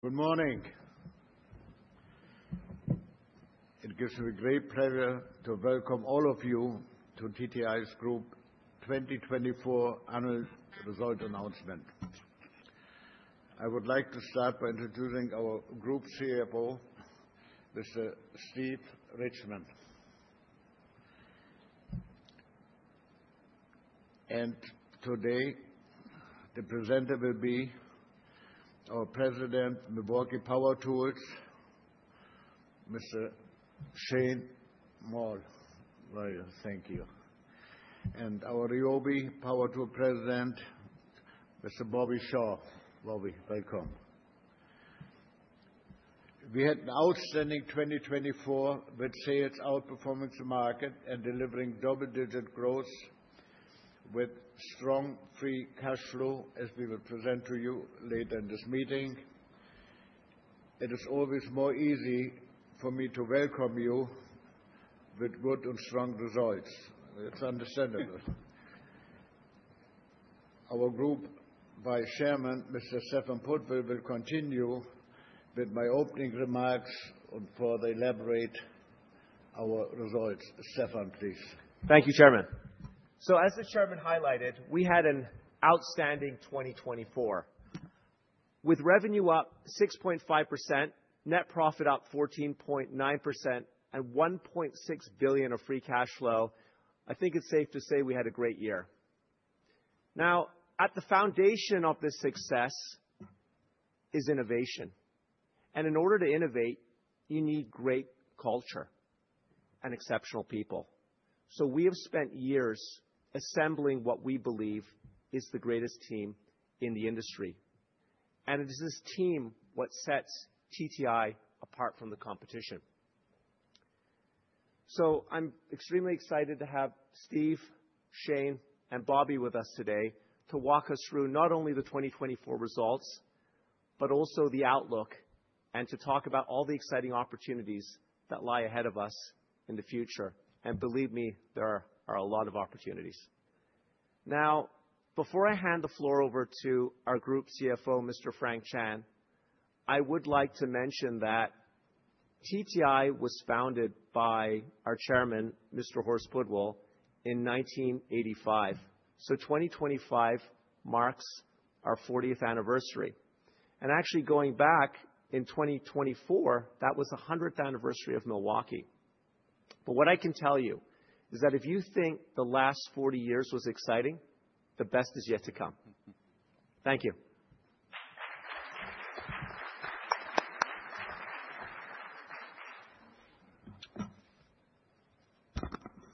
Good morning. It gives me the great pleasure to welcome all of you to TTI's Group 2024 annual result announcement. I would like to start by introducing our Group CEO, Mr. Steve Richman, and today, the presenter will be our President, Milwaukee Power Tools, Mr. Shane Moll. Thank you. And our RYOBI Power Tools President, Mr. Bobby Shaw. Bobby, welcome. We had an outstanding 2024 with sales outperforming the market and delivering double-digit growth with strong free cash flow, as we will present to you later in this meeting. It is always more easy for me to welcome you with good and strong results. It's understandable. Our Group Vice Chairman, Mr. Stephan Pudwill, will continue with my opening remarks for the elaborate results. Stephan, please. Thank you, Chairman. So, as the Chairman highlighted, we had an outstanding 2024. With revenue up 6.5%, net profit up 14.9%, and $1.6 billion of free cash flow, I think it's safe to say we had a great year. Now, at the foundation of this success is innovation. And in order to innovate, you need great culture and exceptional people. So we have spent years assembling what we believe is the greatest team in the industry. And it is this team that sets TTI apart from the competition. So I'm extremely excited to have Steve, Shane, and Bobby with us today to walk us through not only the 2024 results, but also the outlook, and to talk about all the exciting opportunities that lie ahead of us in the future. And believe me, there are a lot of opportunities. Now, before I hand the floor over to our Group CFO, Mr. Frank Chan, I would like to mention that TTI was founded by our Chairman, Mr. Horst Pudwill, in 1985. So 2025 marks our 40th anniversary. And actually, going back in 2024, that was the 100th anniversary of Milwaukee. But what I can tell you is that if you think the last 40 years was exciting, the best is yet to come. Thank you.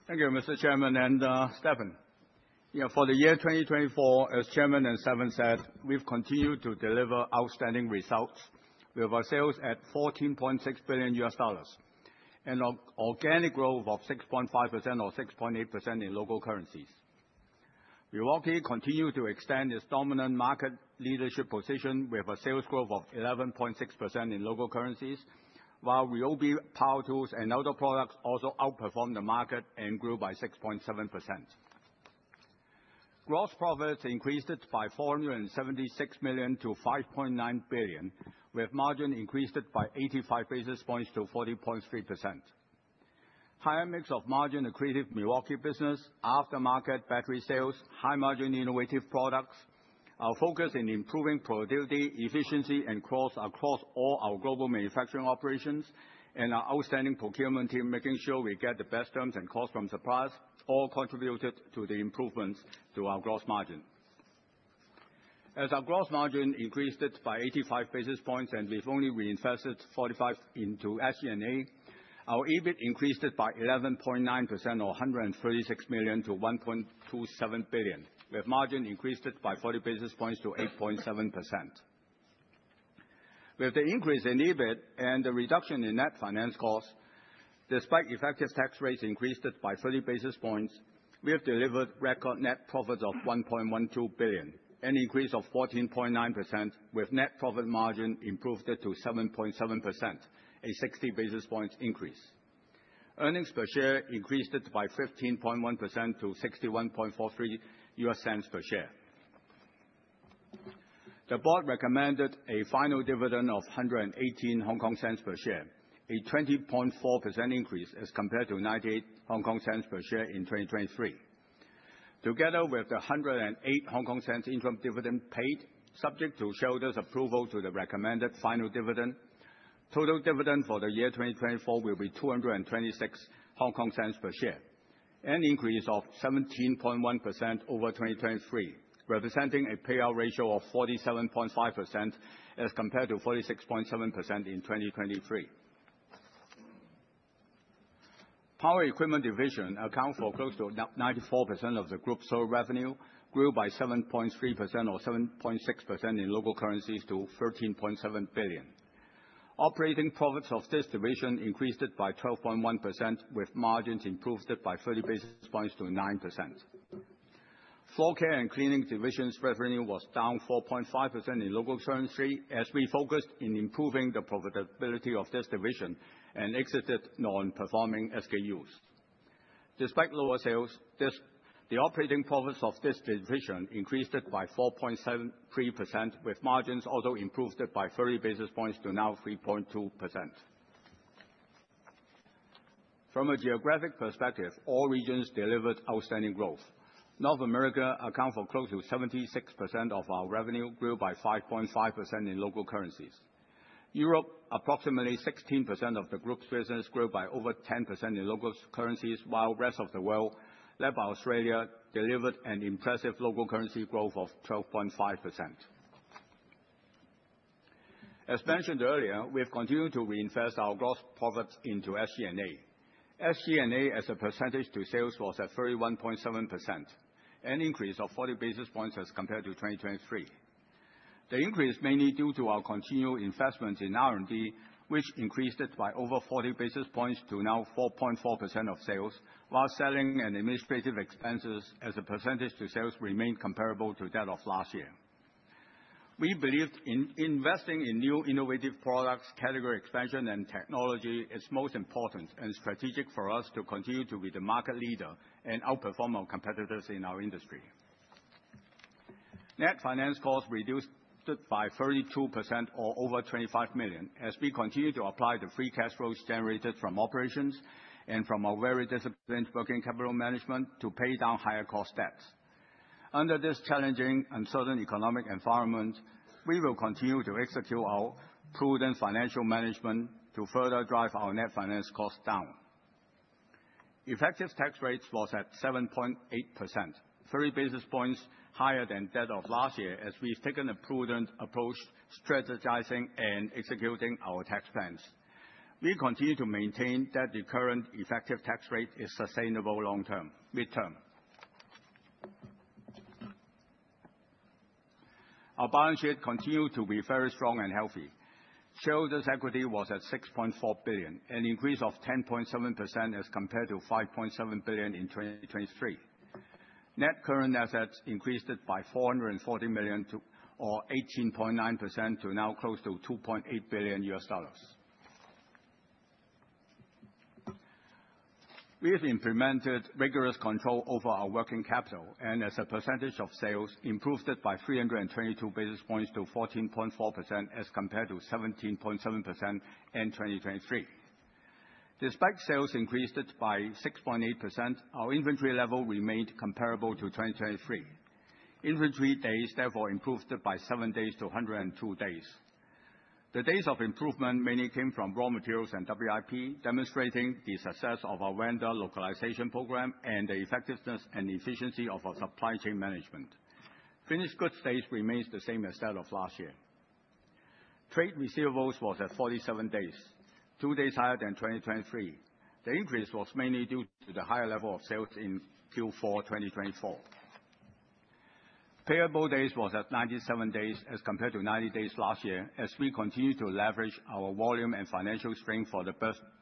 Thank you, Mr. Chairman and Stephan. For the year 2024, as Chairman and Stephan said, we've continued to deliver outstanding results. We have our sales at $14.6 billion and an organic growth of 6.5% or 6.8% in local currencies. Milwaukee continues to extend its dominant market leadership position with a sales growth of 11.6% in local currencies, while RYOBI Power Tools and other products also outperform the market and grew by 6.7%. Gross profits increased by $476 million to $5.9 billion, with margin increased by 85 basis points to 40.3%. Higher mix of margin-accretive Milwaukee business, aftermarket battery sales, high-margin innovative products, our focus in improving productivity, efficiency, and costs across all our global manufacturing operations, and our outstanding procurement team making sure we get the best terms and costs from suppliers all contributed to the improvements to our gross margin. As our gross margin increased by 85 basis points and we've only reinvested 45 into SG&A, our EBIT increased by 11.9% or $136 million to $1.27 billion, with margin increased by 40 basis points to 8.7%. With the increase in EBIT and the reduction in net finance costs, despite effective tax rates increased by 30 basis points, we have delivered record net profits of $1.12 billion, an increase of 14.9%, with net profit margin improved to 7.7%, a 60 basis points increase. Earnings per share increased by 15.1% to $61.43 per share. The board recommended a final dividend of HKD .118 per share, a 20.4% increase as compared to HKD .98 per share in 2023. Together with the HKD .108 income dividend paid, subject to shareholders' approval to the recommended final dividend, total dividend for the year 2024 will be HKD .226 per share, an increase of 17.1% over 2023, representing a payout ratio of 47.5% as compared to 46.7% in 2023. Power Equipment Division accounts for close to 94% of the Group's total revenue, grew by 7.3% or 7.6% in local currencies to 13.7 billion. Operating profits of this division increased by 12.1%, with margins improved by 30 basis points to 9%. Floorcare and Cleaning Division's revenue was down 4.5% in local currency as we focused on improving the profitability of this division and exited non-performing SKUs. Despite lower sales, the operating profits of this division increased by 4.73%, with margins also improved by 30 basis points to now 3.2%. From a geographic perspective, all regions delivered outstanding growth. North America accounts for close to 76% of our revenue, grew by 5.5% in local currencies. Europe, approximately 16% of the Group's business, grew by over 10% in local currencies, while the rest of the world, led by Australia, delivered an impressive local currency growth of 12.5%. As mentioned earlier, we have continued to reinvest our gross profits into SG&A. SG&A, as a percentage to sales, was at 31.7%, an increase of 40 basis points as compared to 2023. The increase is mainly due to our continued investment in R&D, which increased by over 40 basis points to now 4.4% of sales, while selling and administrative expenses, as a percentage to sales, remained comparable to that of last year. We believe in investing in new innovative products, category expansion, and technology is most important and strategic for us to continue to be the market leader and outperform our competitors in our industry. Net finance costs reduced by 32% or over $25 million, as we continue to apply the free cash flows generated from operations and from our very disciplined working capital management to pay down higher cost debts. Under this challenging and uncertain economic environment, we will continue to execute our prudent financial management to further drive our net finance costs down. Effective tax rates were at 7.8%, 30 basis points higher than that of last year, as we've taken a prudent approach to strategizing and executing our tax plans. We continue to maintain that the current effective tax rate is sustainable long-term, midterm. Our balance sheet continued to be very strong and healthy. Shareholders' equity was at $6.4 billion, an increase of 10.7% as compared to $5.7 billion in 2023. Net current assets increased by $440 million or 18.9% to now close to $2.8 billion. We have implemented rigorous control over our working capital and, as a percentage of sales, improved it by 322 basis points to 14.4% as compared to 17.7% in 2023. Despite sales increased by 6.8%, our inventory level remained comparable to 2023. Inventory days therefore improved by seven days to 102 days. The days of improvement mainly came from raw materials and WIP, demonstrating the success of our vendor localization program and the effectiveness and efficiency of our supply chain management. Finished goods days remained the same as that of last year. Trade receivables were at 47 days, two days higher than 2023. The increase was mainly due to the higher level of sales in Q4 2024. Payable days were at 97 days as compared to 90 days last year, as we continue to leverage our volume and financial strength for the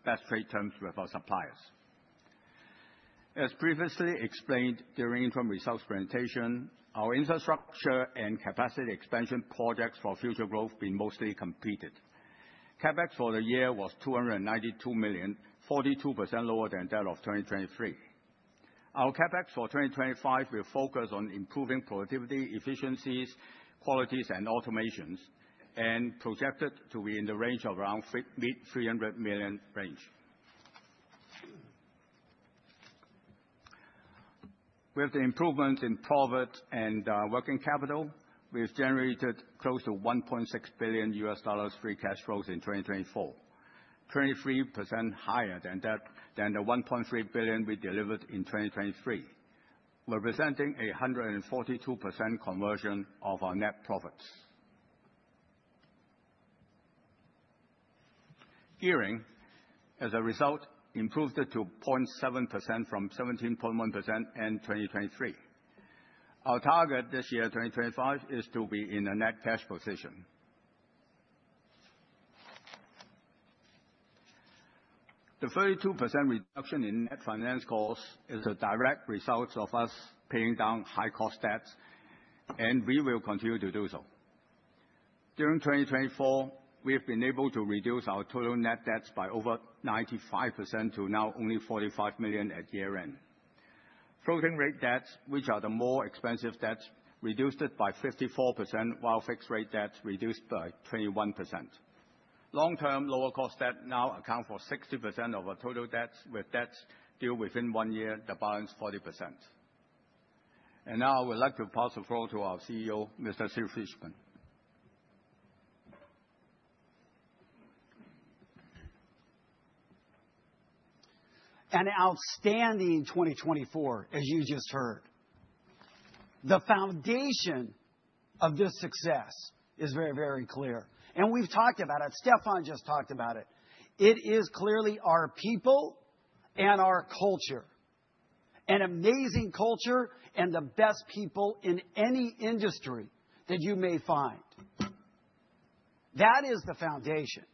best trade terms with our suppliers. As previously explained during income results presentation, our infrastructure and capacity expansion projects for future growth have been mostly completed. CapEx for the year was $292 million, 42% lower than that of 2023. Our CapEx for 2025 will focus on improving productivity, efficiencies, qualities, and automations, and projected to be in the range of around $300 million range. With the improvements in profit and working capital, we've generated close to $1.6 billion free cash flows in 2024, 23% higher than the $1.3 billion we delivered in 2023, representing a 142% conversion of our net profits. Gearing, as a result, improved to 0.7% from 17.1% in 2023. Our target this year, 2025, is to be in a net cash position. The 32% reduction in net finance costs is a direct result of us paying down high-cost debts, and we will continue to do so. During 2024, we have been able to reduce our total net debts by over 95% to now only $45 million at year-end. Floating-rate debts, which are the more expensive debts, reduced by 54%, while fixed-rate debts reduced by 21%. Long-term lower-cost debt now accounts for 60% of our total debts, with debts due within one year to balance 40%. Now I would like to pass the floor to our CEO, Mr. Steve Richman. An outstanding 2024, as you just heard. The foundation of this success is very, very clear, and we've talked about it. Stephan just talked about it. It is clearly our people and our culture, an amazing culture and the best people in any industry that you may find. That is the foundation.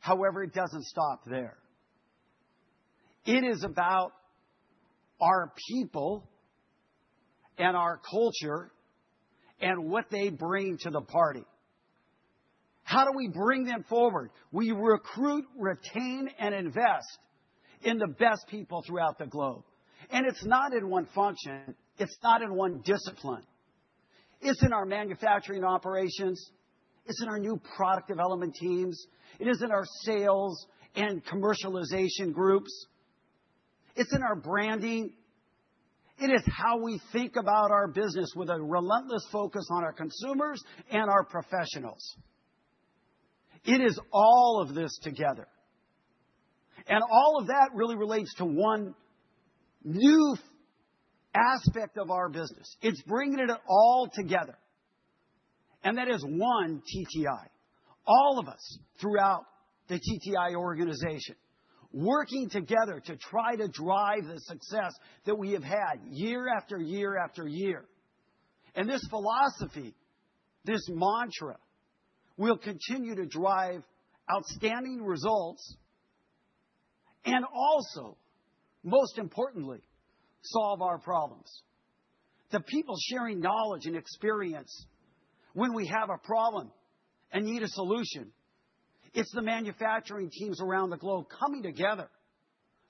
However, it doesn't stop there. It is about our people and our culture and what they bring to the party. How do we bring them forward? We recruit, retain, and invest in the best people throughout the globe, and it's not in one function. It's not in one discipline. It's in our manufacturing operations. It's in our new product development teams. It is in our sales and commercialization groups. It's in our branding. It is how we think about our business with a relentless focus on our consumers and our professionals. It is all of this together. All of that really relates to one new aspect of our business. It's bringing it all together. That is one TTI. All of us throughout the TTI organization working together to try to drive the success that we have had year after year after year. This philosophy, this mantra, will continue to drive outstanding results and also, most importantly, solve our problems. The people sharing knowledge and experience when we have a problem and need a solution, it's the manufacturing teams around the globe coming together,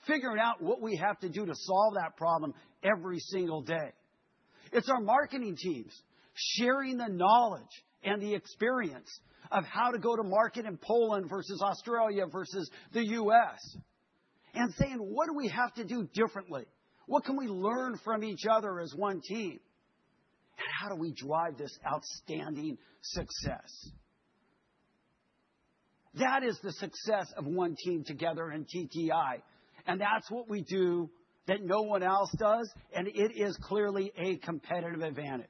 figuring out what we have to do to solve that problem every single day. It's our marketing teams sharing the knowledge and the experience of how to go to market in Poland versus Australia versus the U.S. and saying, "What do we have to do differently? What can we learn from each other as one team? And how do we drive this outstanding success?" That is the success of one team together in TTI, and that's what we do that no one else does, and it is clearly a competitive advantage.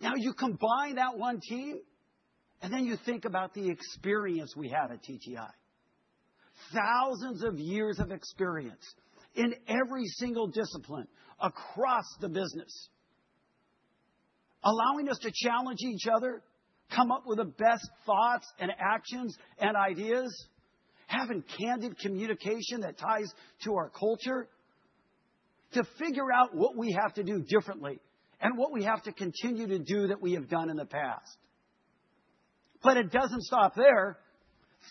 Now you combine that one team, and then you think about the experience we had at TTI. Thousands of years of experience in every single discipline across the business, allowing us to challenge each other, come up with the best thoughts and actions and ideas, having candid communication that ties to our culture, to figure out what we have to do differently and what we have to continue to do that we have done in the past, but it doesn't stop there.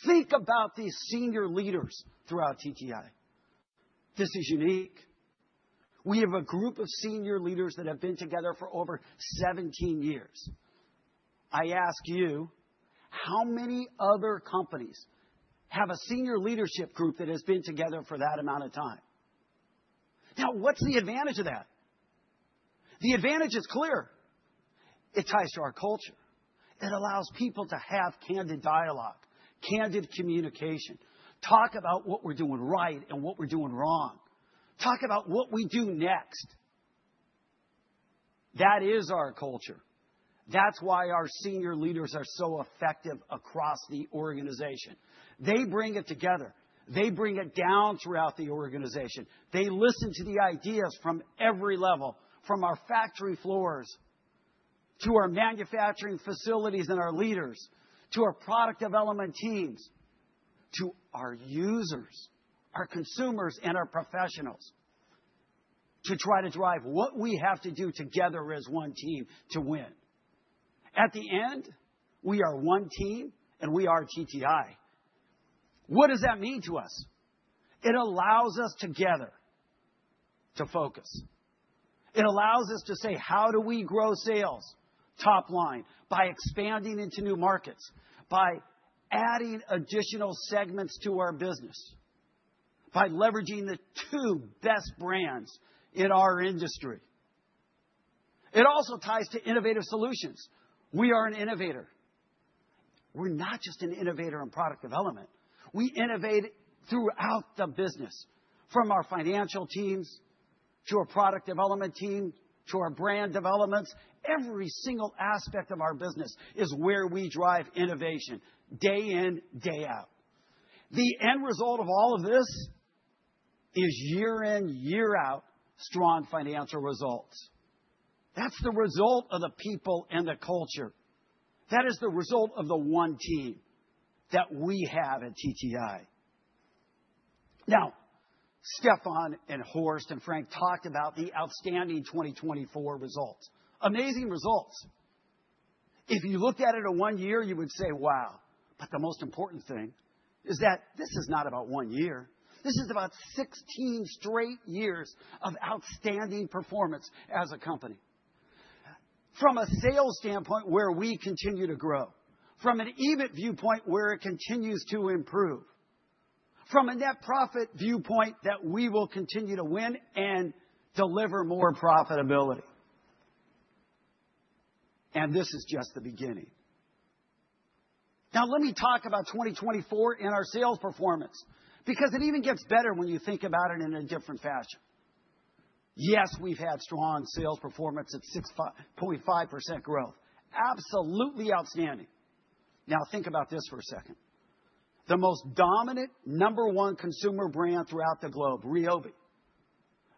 Think about the senior leaders throughout TTI. This is unique. We have a group of senior leaders that have been together for over 17 years. I ask you, how many other companies have a senior leadership group that has been together for that amount of time? Now, what's the advantage of that? The advantage is clear. It ties to our culture. It allows people to have candid dialogue, candid communication, talk about what we're doing right and what we're doing wrong, talk about what we do next. That is our culture. That's why our senior leaders are so effective across the organization. They bring it together. They bring it down throughout the organization. They listen to the ideas from every level, from our factory floors to our manufacturing facilities and our leaders to our product development teams to our users, our consumers, and our professionals to try to drive what we have to do together as one team to win. At the end, we are one team, and we are TTI. What does that mean to us? It allows us together to focus. It allows us to say, "How do we grow sales top line by expanding into new markets, by adding additional segments to our business, by leveraging the two best brands in our industry?" It also ties to innovative solutions. We are an innovator. We're not just an innovator in product development. We innovate throughout the business, from our financial teams to our product development team to our brand developments. Every single aspect of our business is where we drive innovation day in, day out. The end result of all of this is year in, year out, strong financial results. That's the result of the people and the culture. That is the result of the one team that we have at TTI. Now, Stephan and Horst and Frank talked about the outstanding 2024 results. Amazing results. If you looked at it at one year, you would say, "Wow." But the most important thing is that this is not about one year. This is about 16 straight years of outstanding performance as a company. From a sales standpoint, where we continue to grow, from an EBIT viewpoint, where it continues to improve, from a net profit viewpoint that we will continue to win and deliver more profitability. And this is just the beginning. Now, let me talk about 2024 and our sales performance, because it even gets better when you think about it in a different fashion. Yes, we've had strong sales performance at 6.5% growth. Absolutely outstanding. Now, think about this for a second. The most dominant number one consumer brand throughout the globe, RYOBI.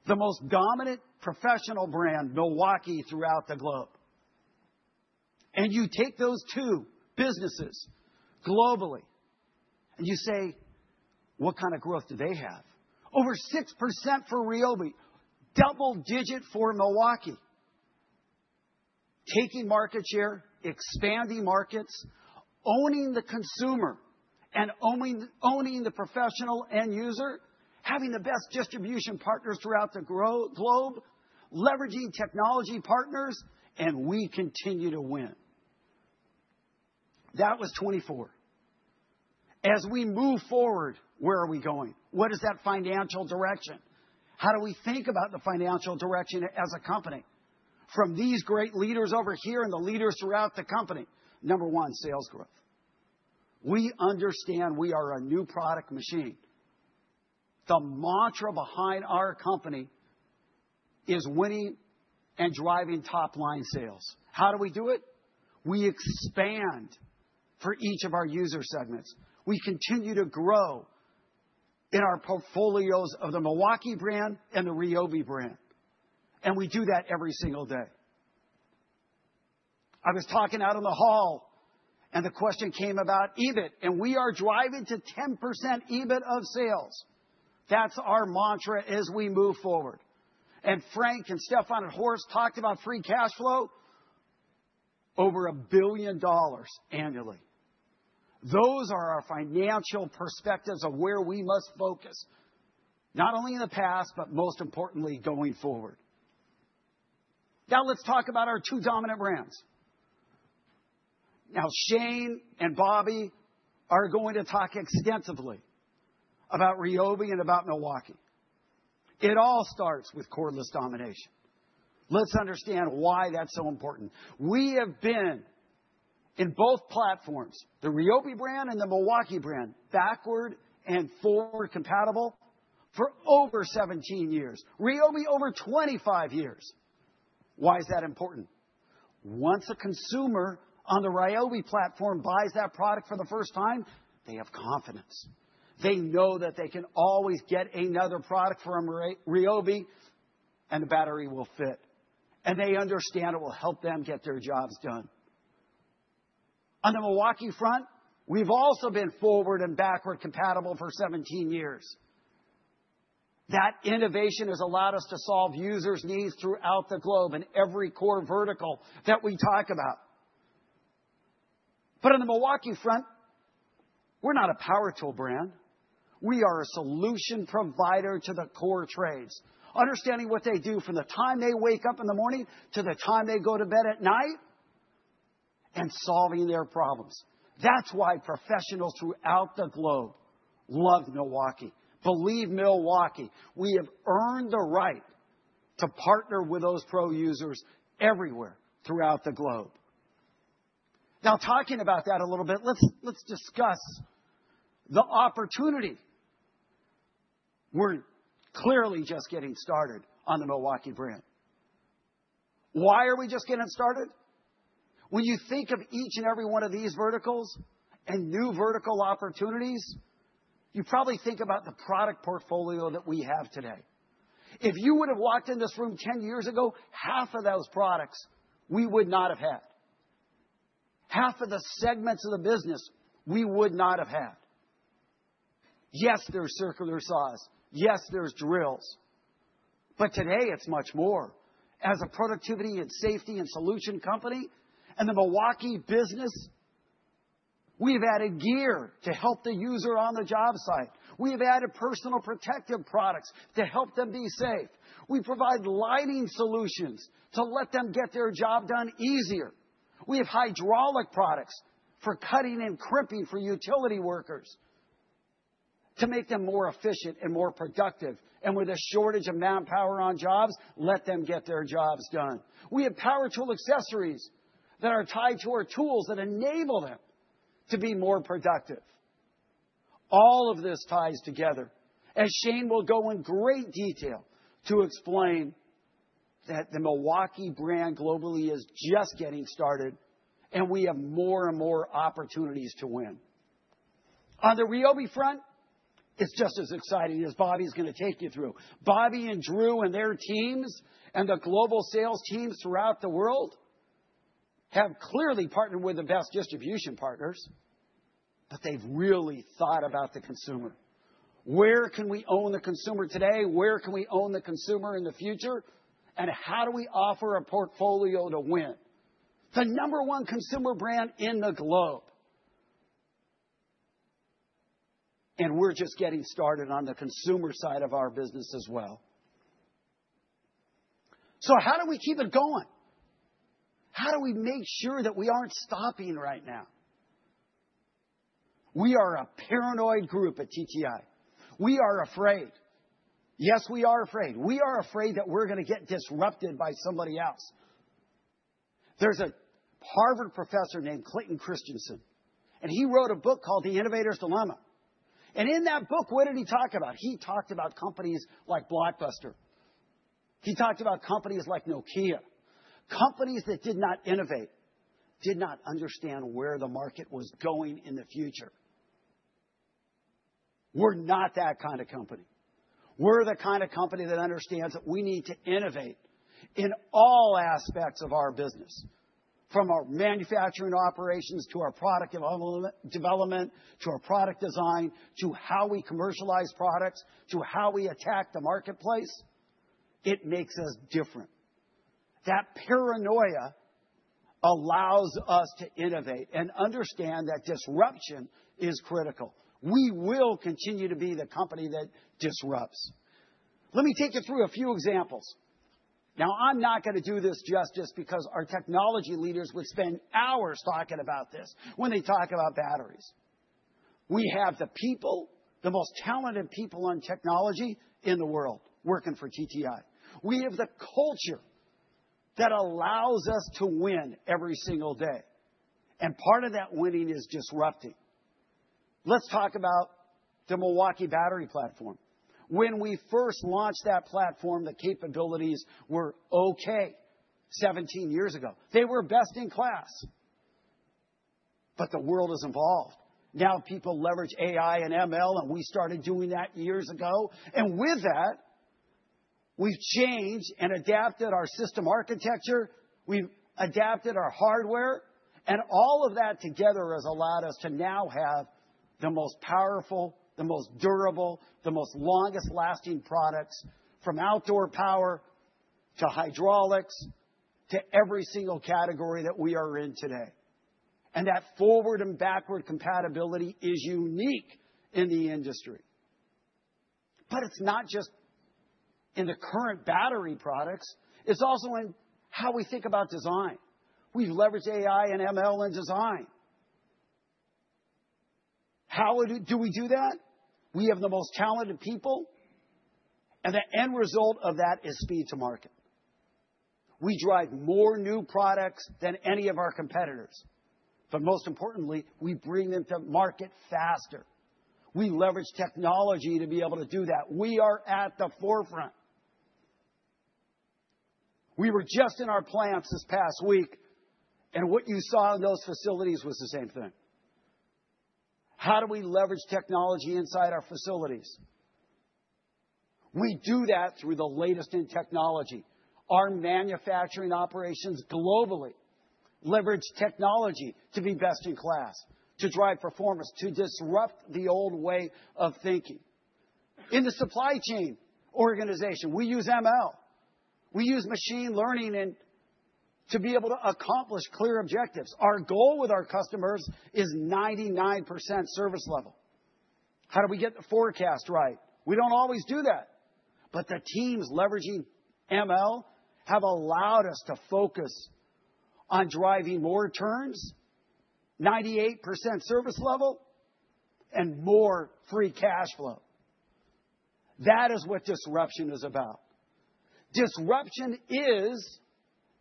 The most dominant professional brand, Milwaukee, throughout the globe. And you take those two businesses globally and you say, "What kind of growth do they have?" Over 6% for RYOBI, double digit for Milwaukee. Taking market share, expanding markets, owning the consumer and owning the professional end user, having the best distribution partners throughout the globe, leveraging technology partners, and we continue to win. That was 2024. As we move forward, where are we going? What is that financial direction? How do we think about the financial direction as a company from these great leaders over here and the leaders throughout the company? Number one, sales growth. We understand we are a new product machine. The mantra behind our company is winning and driving top-line sales. How do we do it? We expand for each of our user segments. We continue to grow in our portfolios of the Milwaukee brand and the RYOBI brand. We do that every single day. I was talking out in the hall, and the question came about EBIT, and we are driving to 10% EBIT of sales. That's our mantra as we move forward. Frank and Stephan and Horst talked about free cash flow over $1 billion annually. Those are our financial perspectives of where we must focus, not only in the past, but most importantly, going forward. Now, let's talk about our two dominant brands. Now, Shane and Bobby are going to talk extensively about RYOBI and about Milwaukee. It all starts with cordless domination. Let's understand why that's so important. We have been in both platforms, the RYOBI brand and the Milwaukee brand, backward and forward compatible for over 17 years. RYOBI, over 25 years. Why is that important? Once a consumer on the RYOBI platform buys that product for the first time, they have confidence. They know that they can always get another product from RYOBI, and the battery will fit. And they understand it will help them get their jobs done. On the Milwaukee front, we've also been forward and backward compatible for 17 years. That innovation has allowed us to solve users' needs throughout the globe in every core vertical that we talk about. But on the Milwaukee front, we're not a power tool brand. We are a solution provider to the core trades, understanding what they do from the time they wake up in the morning to the time they go to bed at night and solving their problems. That's why professionals throughout the globe love Milwaukee, believe Milwaukee. We have earned the right to partner with those pro users everywhere throughout the globe. Now, talking about that a little bit, let's discuss the opportunity. We're clearly just getting started on the Milwaukee brand. Why are we just getting started? When you think of each and every one of these verticals and new vertical opportunities, you probably think about the product portfolio that we have today. If you would have walked in this room 10 years ago, half of those products we would not have had. Half of the segments of the business we would not have had. Yes, there's circular saws. Yes, there's drills. But today, it's much more. As a productivity and safety and solution company and the Milwaukee business, we've added gear to help the user on the job site. We've added personal protective products to help them be safe. We provide lighting solutions to let them get their job done easier. We have hydraulic products for cutting and crimping for utility workers to make them more efficient and more productive. And with a shortage of manpower on jobs, let them get their jobs done. We have power tool accessories that are tied to our tools that enable them to be more productive. All of this ties together. And Shane will go in great detail to explain that the Milwaukee brand globally is just getting started, and we have more and more opportunities to win. On the RYOBI front, it's just as exciting as Bobby's going to take you through. Bobby and Drew and their teams and the global sales teams throughout the world have clearly partnered with the best distribution partners, but they've really thought about the consumer. Where can we own the consumer today? Where can we own the consumer in the future? How do we offer a portfolio to win? The number one consumer brand in the globe. We're just getting started on the consumer side of our business as well. How do we keep it going? How do we make sure that we aren't stopping right now? We are a paranoid group at TTI. We are afraid. Yes, we are afraid. We are afraid that we're going to get disrupted by somebody else. There's a Harvard professor named Clayton Christensen, and he wrote a book called The Innovator's Dilemma. In that book, what did he talk about? He talked about companies like Blockbuster. He talked about companies like Nokia, companies that did not innovate, did not understand where the market was going in the future. We're not that kind of company. We're the kind of company that understands that we need to innovate in all aspects of our business, from our manufacturing operations to our product development to our product design to how we commercialize products to how we attack the marketplace. It makes us different. That paranoia allows us to innovate and understand that disruption is critical. We will continue to be the company that disrupts. Let me take you through a few examples. Now, I'm not going to do this justice because our technology leaders would spend hours talking about this when they talk about batteries. We have the people, the most talented people on technology in the world working for TTI. We have the culture that allows us to win every single day. And part of that winning is disrupting. Let's talk about the Milwaukee battery platform. When we first launched that platform, the capabilities were okay 17 years ago. They were best in class, but the world has evolved. Now people leverage AI and ML, and we started doing that years ago, and with that, we've changed and adapted our system architecture. We've adapted our hardware, and all of that together has allowed us to now have the most powerful, the most durable, the most longest-lasting products from outdoor power to hydraulics to every single category that we are in today, and that forward and backward compatibility is unique in the industry, but it's not just in the current battery products. It's also in how we think about design. We've leveraged AI and ML in design. How do we do that? We have the most talented people, and the end result of that is speed to market. We drive more new products than any of our competitors. But most importantly, we bring them to market faster. We leverage technology to be able to do that. We are at the forefront. We were just in our plants this past week, and what you saw in those facilities was the same thing. How do we leverage technology inside our facilities? We do that through the latest in technology. Our manufacturing operations globally leverage technology to be best in class, to drive performance, to disrupt the old way of thinking. In the supply chain organization, we use ML. We use machine learning to be able to accomplish clear objectives. Our goal with our customers is 99% service level. How do we get the forecast right? We don't always do that. But the teams leveraging ML have allowed us to focus on driving more turns, 98% service level, and more free cash flow. That is what disruption is about. Disruption is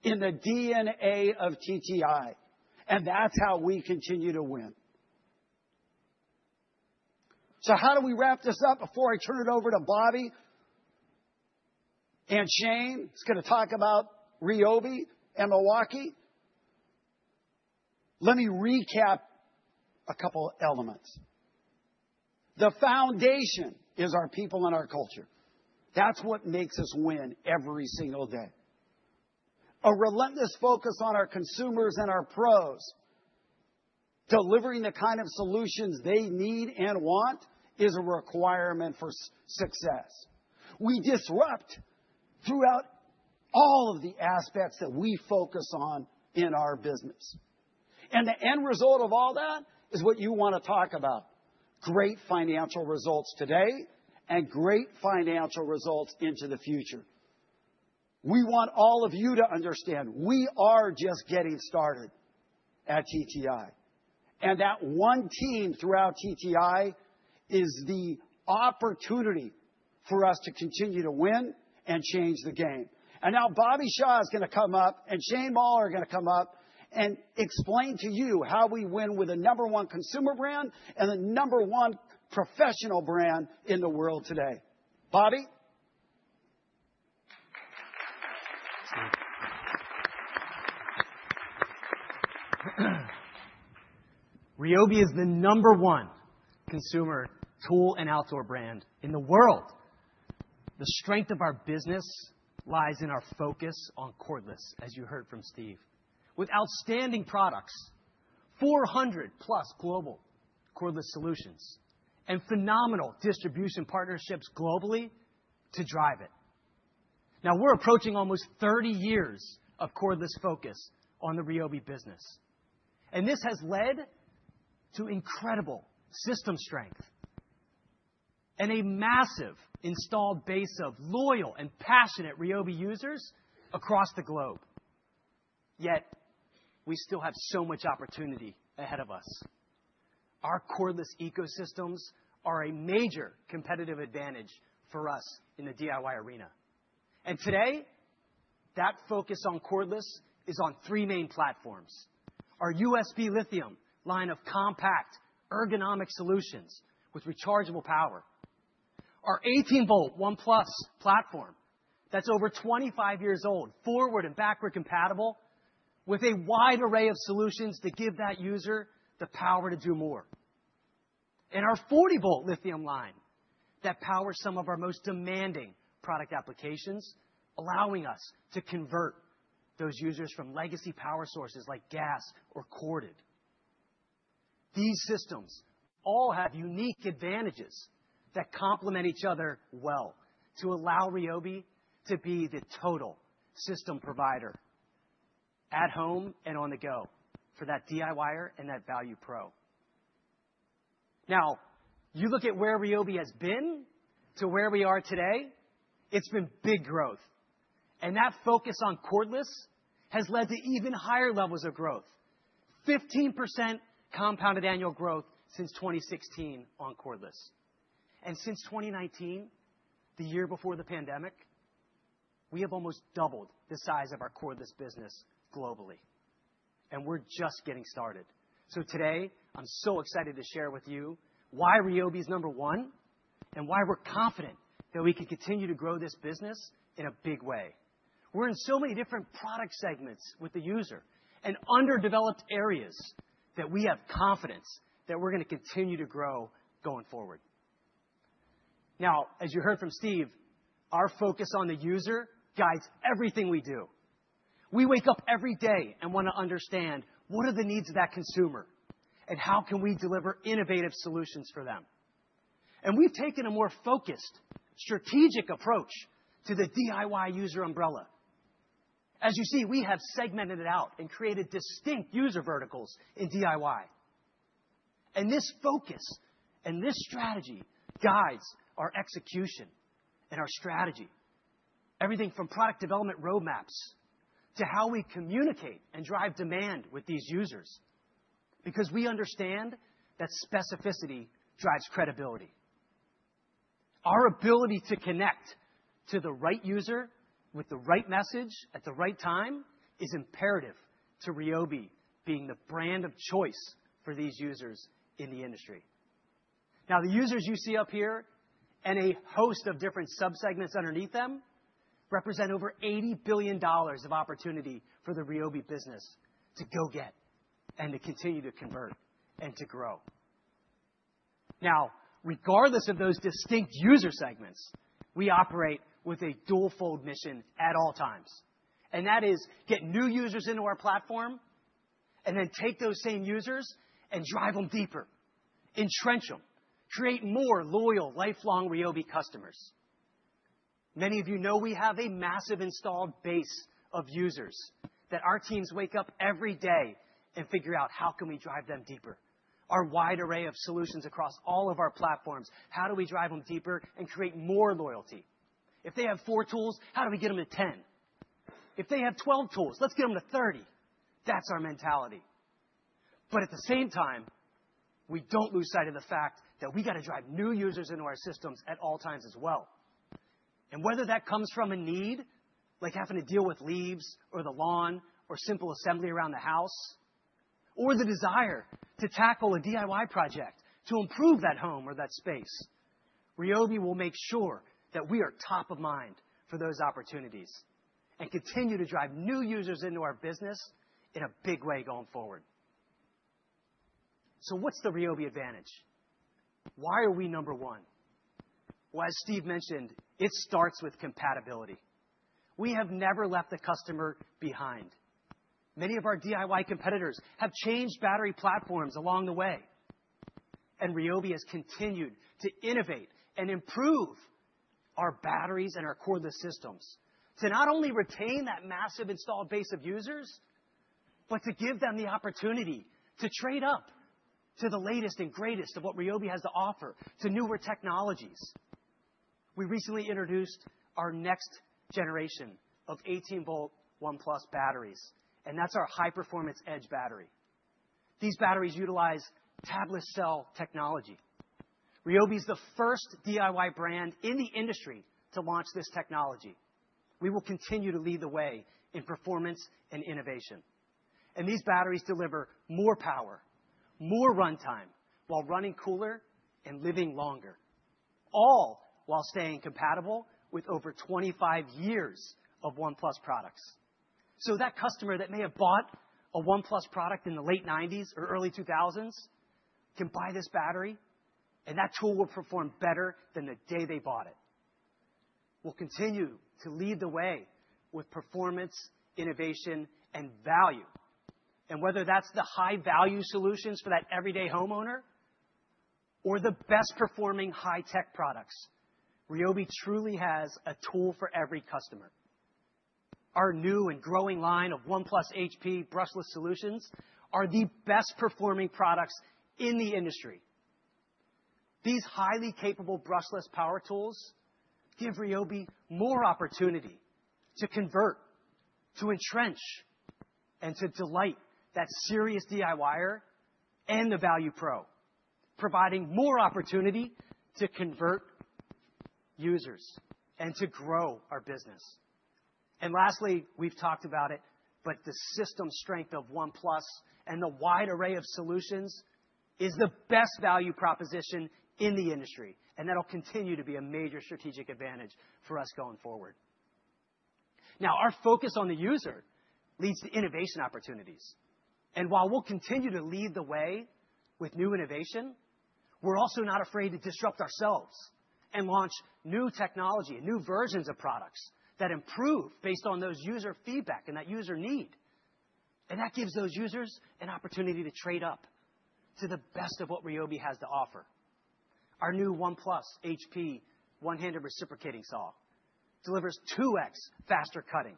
in the DNA of TTI, and that's how we continue to win. So how do we wrap this up before I turn it over to Bobby and Shane? He's going to talk about RYOBI and Milwaukee. Let me recap a couple of elements. The foundation is our people and our culture. That's what makes us win every single day. A relentless focus on our consumers and our pros delivering the kind of solutions they need and want is a requirement for success. We disrupt throughout all of the aspects that we focus on in our business. And the end result of all that is what you want to talk about: great financial results today and great financial results into the future. We want all of you to understand we are just getting started at TTI. And that one team throughout TTI is the opportunity for us to continue to win and change the game. And now Bobby Shaw is going to come up, and Shane Moll are going to come up and explain to you how we win with the number one consumer brand and the number one professional brand in the world today. Bobby? RYOBI is the number one consumer tool and outdoor brand in the world. The strength of our business lies in our focus on cordless, as you heard from Steve, with outstanding products, 400+ global cordless solutions, and phenomenal distribution partnerships globally to drive it. Now, we're approaching almost 30 years of cordless focus on the RYOBI business. And this has led to incredible system strength and a massive installed base of loyal and passionate RYOBI users across the globe. Yet we still have so much opportunity ahead of us. Our cordless ecosystems are a major competitive advantage for us in the DIY arena. And today, that focus on cordless is on three main platforms: our USB Lithium line of compact ergonomic solutions with rechargeable power, our 18V ONE+ platform that's over 25 years old, forward and backward compatible, with a wide array of solutions to give that user the power to do more, and our 40V Lithium line that powers some of our most demanding product applications, allowing us to convert those users from legacy power sources like gas or corded. These systems all have unique advantages that complement each other well to allow RYOBI to be the total system provider at home and on the go for that DIYer and that value pro. Now, you look at where RYOBI has been to where we are today, it's been big growth. And that focus on cordless has led to even higher levels of growth: 15% compounded annual growth since 2016 on cordless. And since 2019, the year before the pandemic, we have almost doubled the size of our cordless business globally. And we're just getting started. So today, I'm so excited to share with you why RYOBI is number one and why we're confident that we can continue to grow this business in a big way. We're in so many different product segments with the user and underdeveloped areas that we have confidence that we're going to continue to grow going forward. Now, as you heard from Steve, our focus on the user guides everything we do. We wake up every day and want to understand what are the needs of that consumer and how can we deliver innovative solutions for them. And we've taken a more focused strategic approach to the DIY user umbrella. As you see, we have segmented it out and created distinct user verticals in DIY. And this focus and this strategy guides our execution and our strategy, everything from product development roadmaps to how we communicate and drive demand with these users, because we understand that specificity drives credibility. Our ability to connect to the right user with the right message at the right time is imperative to RYOBI being the brand of choice for these users in the industry. Now, the users you see up here and a host of different subsegments underneath them represent over $80 billion of opportunity for the RYOBI business to go get and to continue to convert and to grow. Now, regardless of those distinct user segments, we operate with a dual-fold mission at all times. And that is get new users into our platform and then take those same users and drive them deeper, entrench them, create more loyal, lifelong RYOBI customers. Many of you know we have a massive installed base of users that our teams wake up every day and figure out how can we drive them deeper, our wide array of solutions across all of our platforms. How do we drive them deeper and create more loyalty? If they have four tools, how do we get them to 10? If they have 12 tools, let's get them to 30. That's our mentality, but at the same time, we don't lose sight of the fact that we got to drive new users into our systems at all times as well, whether that comes from a need, like having to deal with leaves or the lawn or simple assembly around the house, or the desire to tackle a DIY project to improve that home or that space. RYOBI will make sure that we are top of mind for those opportunities and continue to drive new users into our business in a big way going forward. So what's the RYOBI advantage? Why are we number one? Well, as Steve mentioned, it starts with compatibility. We have never left the customer behind. Many of our DIY competitors have changed battery platforms along the way, and RYOBI has continued to innovate and improve our batteries and our cordless systems to not only retain that massive installed base of users, but to give them the opportunity to trade up to the latest and greatest of what RYOBI has to offer to newer technologies. We recently introduced our next generation of 18V ONE+ batteries, and that's our high-performance edge battery. These batteries utilize tabless cell technology. RYOBI is the first DIY brand in the industry to launch this technology. We will continue to lead the way in performance and innovation, and these batteries deliver more power, more runtime while running cooler and living longer, all while staying compatible with over 25 years of ONE+ products. So that customer that may have bought a ONE+ product in the late 1990s or early 2000s can buy this battery, and that tool will perform better than the day they bought it. We'll continue to lead the way with performance, innovation, and value. And whether that's the high-value solutions for that everyday homeowner or the best-performing high-tech products, RYOBI truly has a tool for every customer. Our new and growing line of ONE+ HP Brushless solutions are the best-performing products in the industry. These highly capable Brushless Power Tools give RYOBI more opportunity to convert, to entrench, and to delight that serious DIYer and the value pro, providing more opportunity to convert users and to grow our business. Lastly, we've talked about it, but the system strength of ONE+ and the wide array of solutions is the best value proposition in the industry, and that'll continue to be a major strategic advantage for us going forward. Now, our focus on the user leads to innovation opportunities. While we'll continue to lead the way with new innovation, we're also not afraid to disrupt ourselves and launch new technology and new versions of products that improve based on those user feedback and that user need. That gives those users an opportunity to trade up to the best of what RYOBI has to offer. Our new ONE+ HP One-Handed Reciprocating Saw delivers 2x faster cutting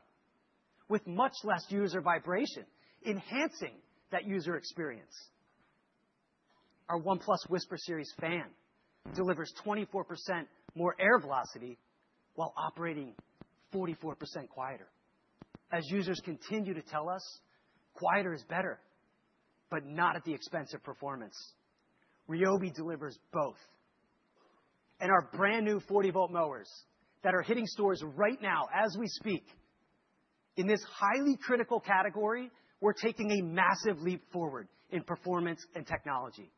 with much less user vibration, enhancing that user experience. Our ONE+ Whisper Series fan delivers 24% more air velocity while operating 44% quieter. As users continue to tell us, quieter is better, but not at the expense of performance. RYOBI delivers both, and our brand new 40V mowers that are hitting stores right now as we speak, in this highly critical category, we're taking a massive leap forward in performance and technology.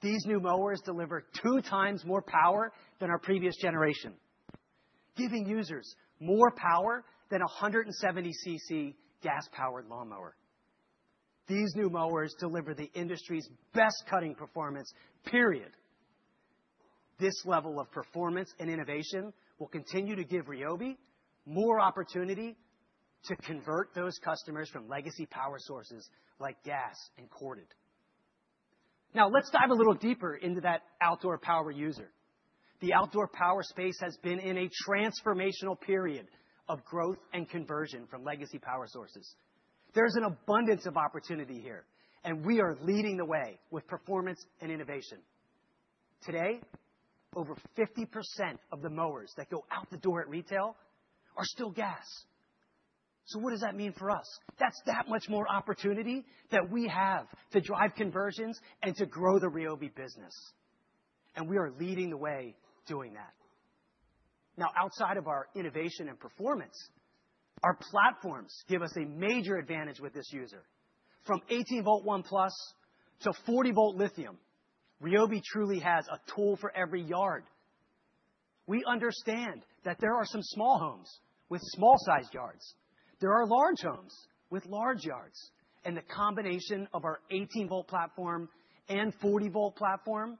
These new mowers deliver 2x more power than our previous generation, giving users more power than a 170cc gas-powered lawn mower. These new mowers deliver the industry's best cutting performance, period. This level of performance and innovation will continue to give RYOBI more opportunity to convert those customers from legacy power sources like gas and corded. Now, let's dive a little deeper into that outdoor power user. The outdoor power space has been in a transformational period of growth and conversion from legacy power sources. There's an abundance of opportunity here, and we are leading the way with performance and innovation. Today, over 50% of the mowers that go out the door at retail are still gas. So what does that mean for us? That's that much more opportunity that we have to drive conversions and to grow the RYOBI business. And we are leading the way doing that. Now, outside of our innovation and performance, our platforms give us a major advantage with this user. From 18V ONE+ to 40V Lithium, RYOBI truly has a tool for every yard. We understand that there are some small homes with small-sized yards. There are large homes with large yards. And the combination of our 18V platform and 40V platform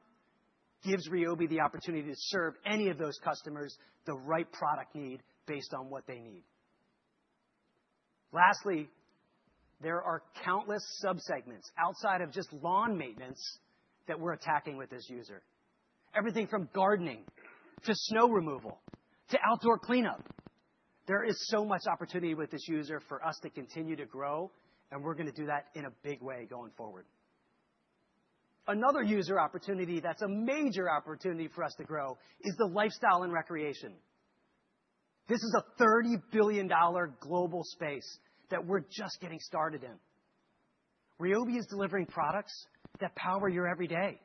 gives RYOBI the opportunity to serve any of those customers the right product need based on what they need. Lastly, there are countless subsegments outside of just lawn maintenance that we're attacking with this user. Everything from gardening to snow removal to outdoor cleanup, there is so much opportunity with this user for us to continue to grow, and we're going to do that in a big way going forward. Another user opportunity that's a major opportunity for us to grow is the lifestyle and recreation. This is a $30 billion global space that we're just getting started in. RYOBI is delivering products that power your every day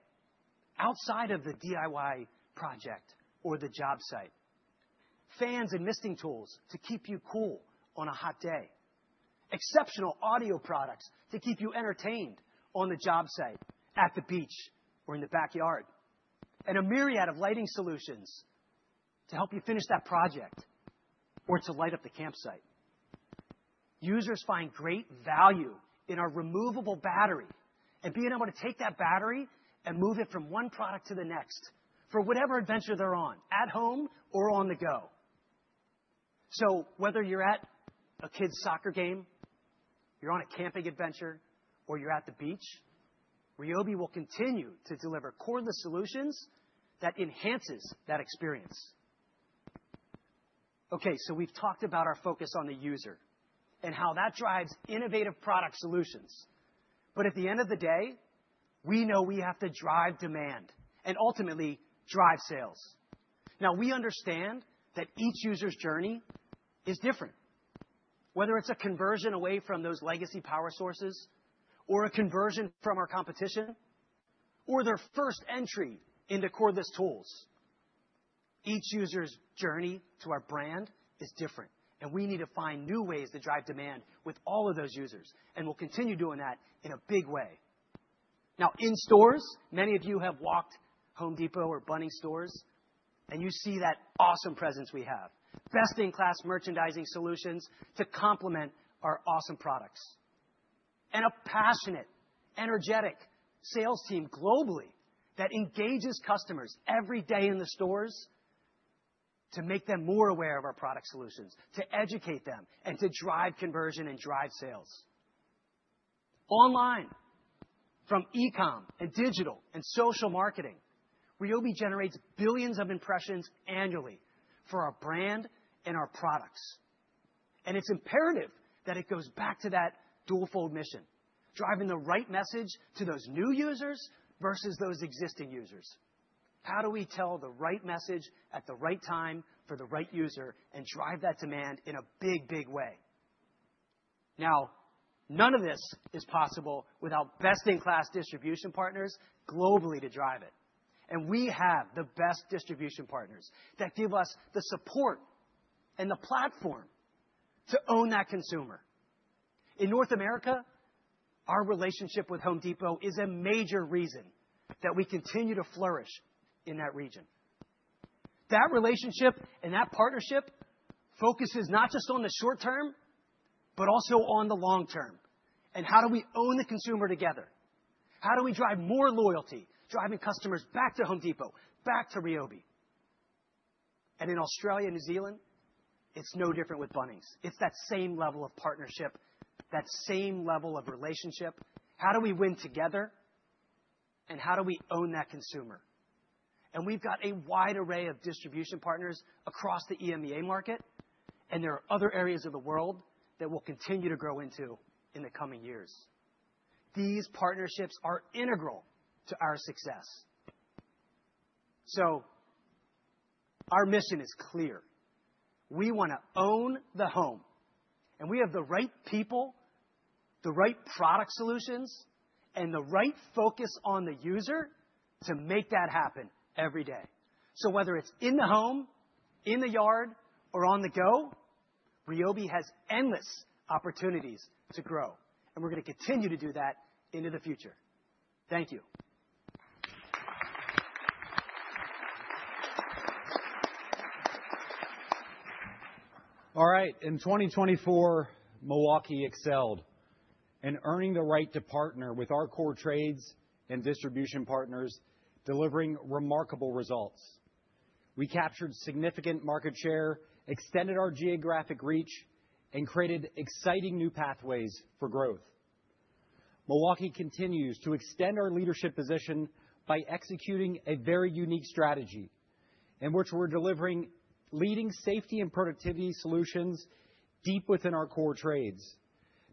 outside of the DIY project or the job site, fans and misting tools to keep you cool on a hot day, exceptional audio products to keep you entertained on the job site, at the beach, or in the backyard, and a myriad of lighting solutions to help you finish that project or to light up the campsite. Users find great value in our removable battery and being able to take that battery and move it from one product to the next for whatever adventure they're on, at home or on the go. So whether you're at a kid's soccer game, you're on a camping adventure, or you're at the beach, RYOBI will continue to deliver cordless solutions that enhance that experience. Okay, so we've talked about our focus on the user and how that drives innovative product solutions. But at the end of the day, we know we have to drive demand and ultimately drive sales. Now, we understand that each user's journey is different, whether it's a conversion away from those legacy power sources or a conversion from our competition or their first entry into cordless tools. Each user's journey to our brand is different, and we need to find new ways to drive demand with all of those users, and we'll continue doing that in a big way. Now, in stores, many of you have walked Home Depot or Bunnings stores, and you see that awesome presence we have, best-in-class merchandising solutions to complement our awesome products, and a passionate, energetic sales team globally that engages customers every day in the stores to make them more aware of our product solutions, to educate them, and to drive conversion and drive sales. Online, from e-comm and digital and social marketing, RYOBI generates billions of impressions annually for our brand and our products, and it's imperative that it goes back to that dual-fold mission, driving the right message to those new users versus those existing users. How do we tell the right message at the right time for the right user and drive that demand in a big, big way? Now, none of this is possible without best-in-class distribution partners globally to drive it. And we have the best distribution partners that give us the support and the platform to own that consumer. In North America, our relationship with Home Depot is a major reason that we continue to flourish in that region. That relationship and that partnership focuses not just on the short term, but also on the long term. And how do we own the consumer together? How do we drive more loyalty, driving customers back to Home Depot, back to RYOBI? And in Australia and New Zealand, it's no different with Bunnings. It's that same level of partnership, that same level of relationship. How do we win together, and how do we own that consumer? And we've got a wide array of distribution partners across the EMEA market, and there are other areas of the world that we'll continue to grow into in the coming years. These partnerships are integral to our success. So our mission is clear. We want to own the home, and we have the right people, the right product solutions, and the right focus on the user to make that happen every day. So whether it's in the home, in the yard, or on the go, RYOBI has endless opportunities to grow, and we're going to continue to do that into the future. Thank you. All right. In 2024, Milwaukee excelled in earning the right to partner with our core trades and distribution partners, delivering remarkable results. We captured significant market share, extended our geographic reach, and created exciting new pathways for growth. Milwaukee continues to extend our leadership position by executing a very unique strategy in which we're delivering leading safety and productivity solutions deep within our core trades,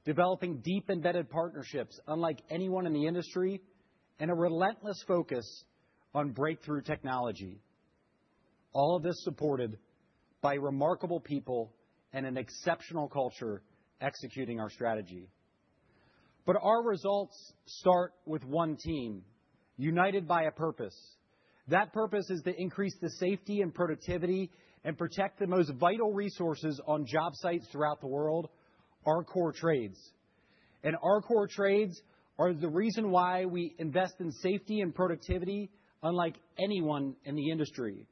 developing deep embedded partnerships unlike anyone in the industry, and a relentless focus on breakthrough technology, all of this supported by remarkable people and an exceptional culture executing our strategy, but our results start with one team united by a purpose. That purpose is to increase the safety and productivity and protect the most vital resources on job sites throughout the world, our core trades, and our core trades are the reason why we invest in safety and productivity unlike anyone in the industry.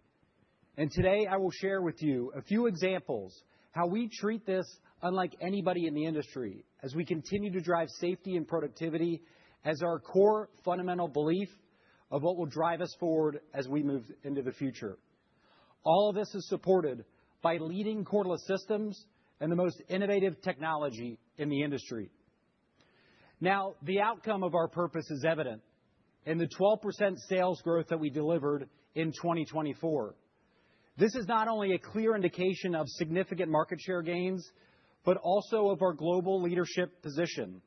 And today, I will share with you a few examples of how we treat this unlike anybody in the industry as we continue to drive safety and productivity as our core fundamental belief of what will drive us forward as we move into the future. All of this is supported by leading cordless systems and the most innovative technology in the industry. Now, the outcome of our purpose is evident in the 12% sales growth that we delivered in 2024. This is not only a clear indication of significant market share gains, but also of our global leadership position.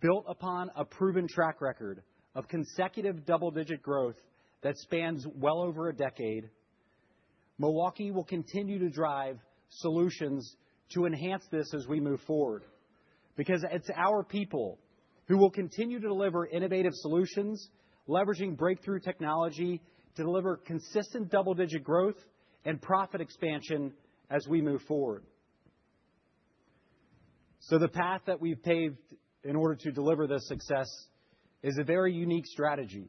Built upon a proven track record of consecutive double-digit growth that spans well over a decade, Milwaukee will continue to drive solutions to enhance this as we move forward because it's our people who will continue to deliver innovative solutions, leveraging breakthrough technology to deliver consistent double-digit growth and profit expansion as we move forward, so the path that we've paved in order to deliver this success is a very unique strategy,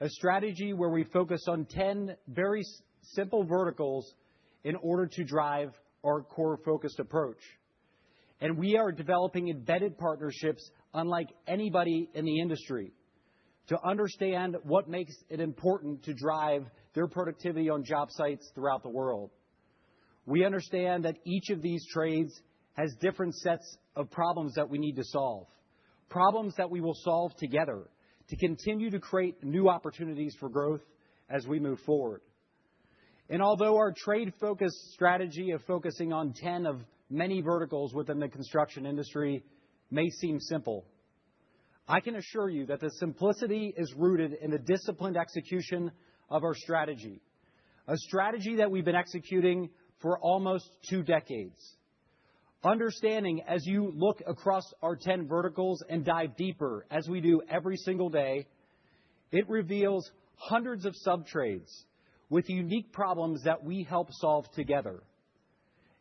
a strategy where we focus on 10 very simple verticals in order to drive our core-focused approach, and we are developing embedded partnerships unlike anybody in the industry to understand what makes it important to drive their productivity on job sites throughout the world. We understand that each of these trades has different sets of problems that we need to solve, problems that we will solve together to continue to create new opportunities for growth as we move forward. And although our trade-focused strategy of focusing on 10 of many verticals within the construction industry may seem simple, I can assure you that the simplicity is rooted in the disciplined execution of our strategy, a strategy that we've been executing for almost two decades. Understanding as you look across our 10 verticals and dive deeper as we do every single day, it reveals hundreds of subtrades with unique problems that we help solve together.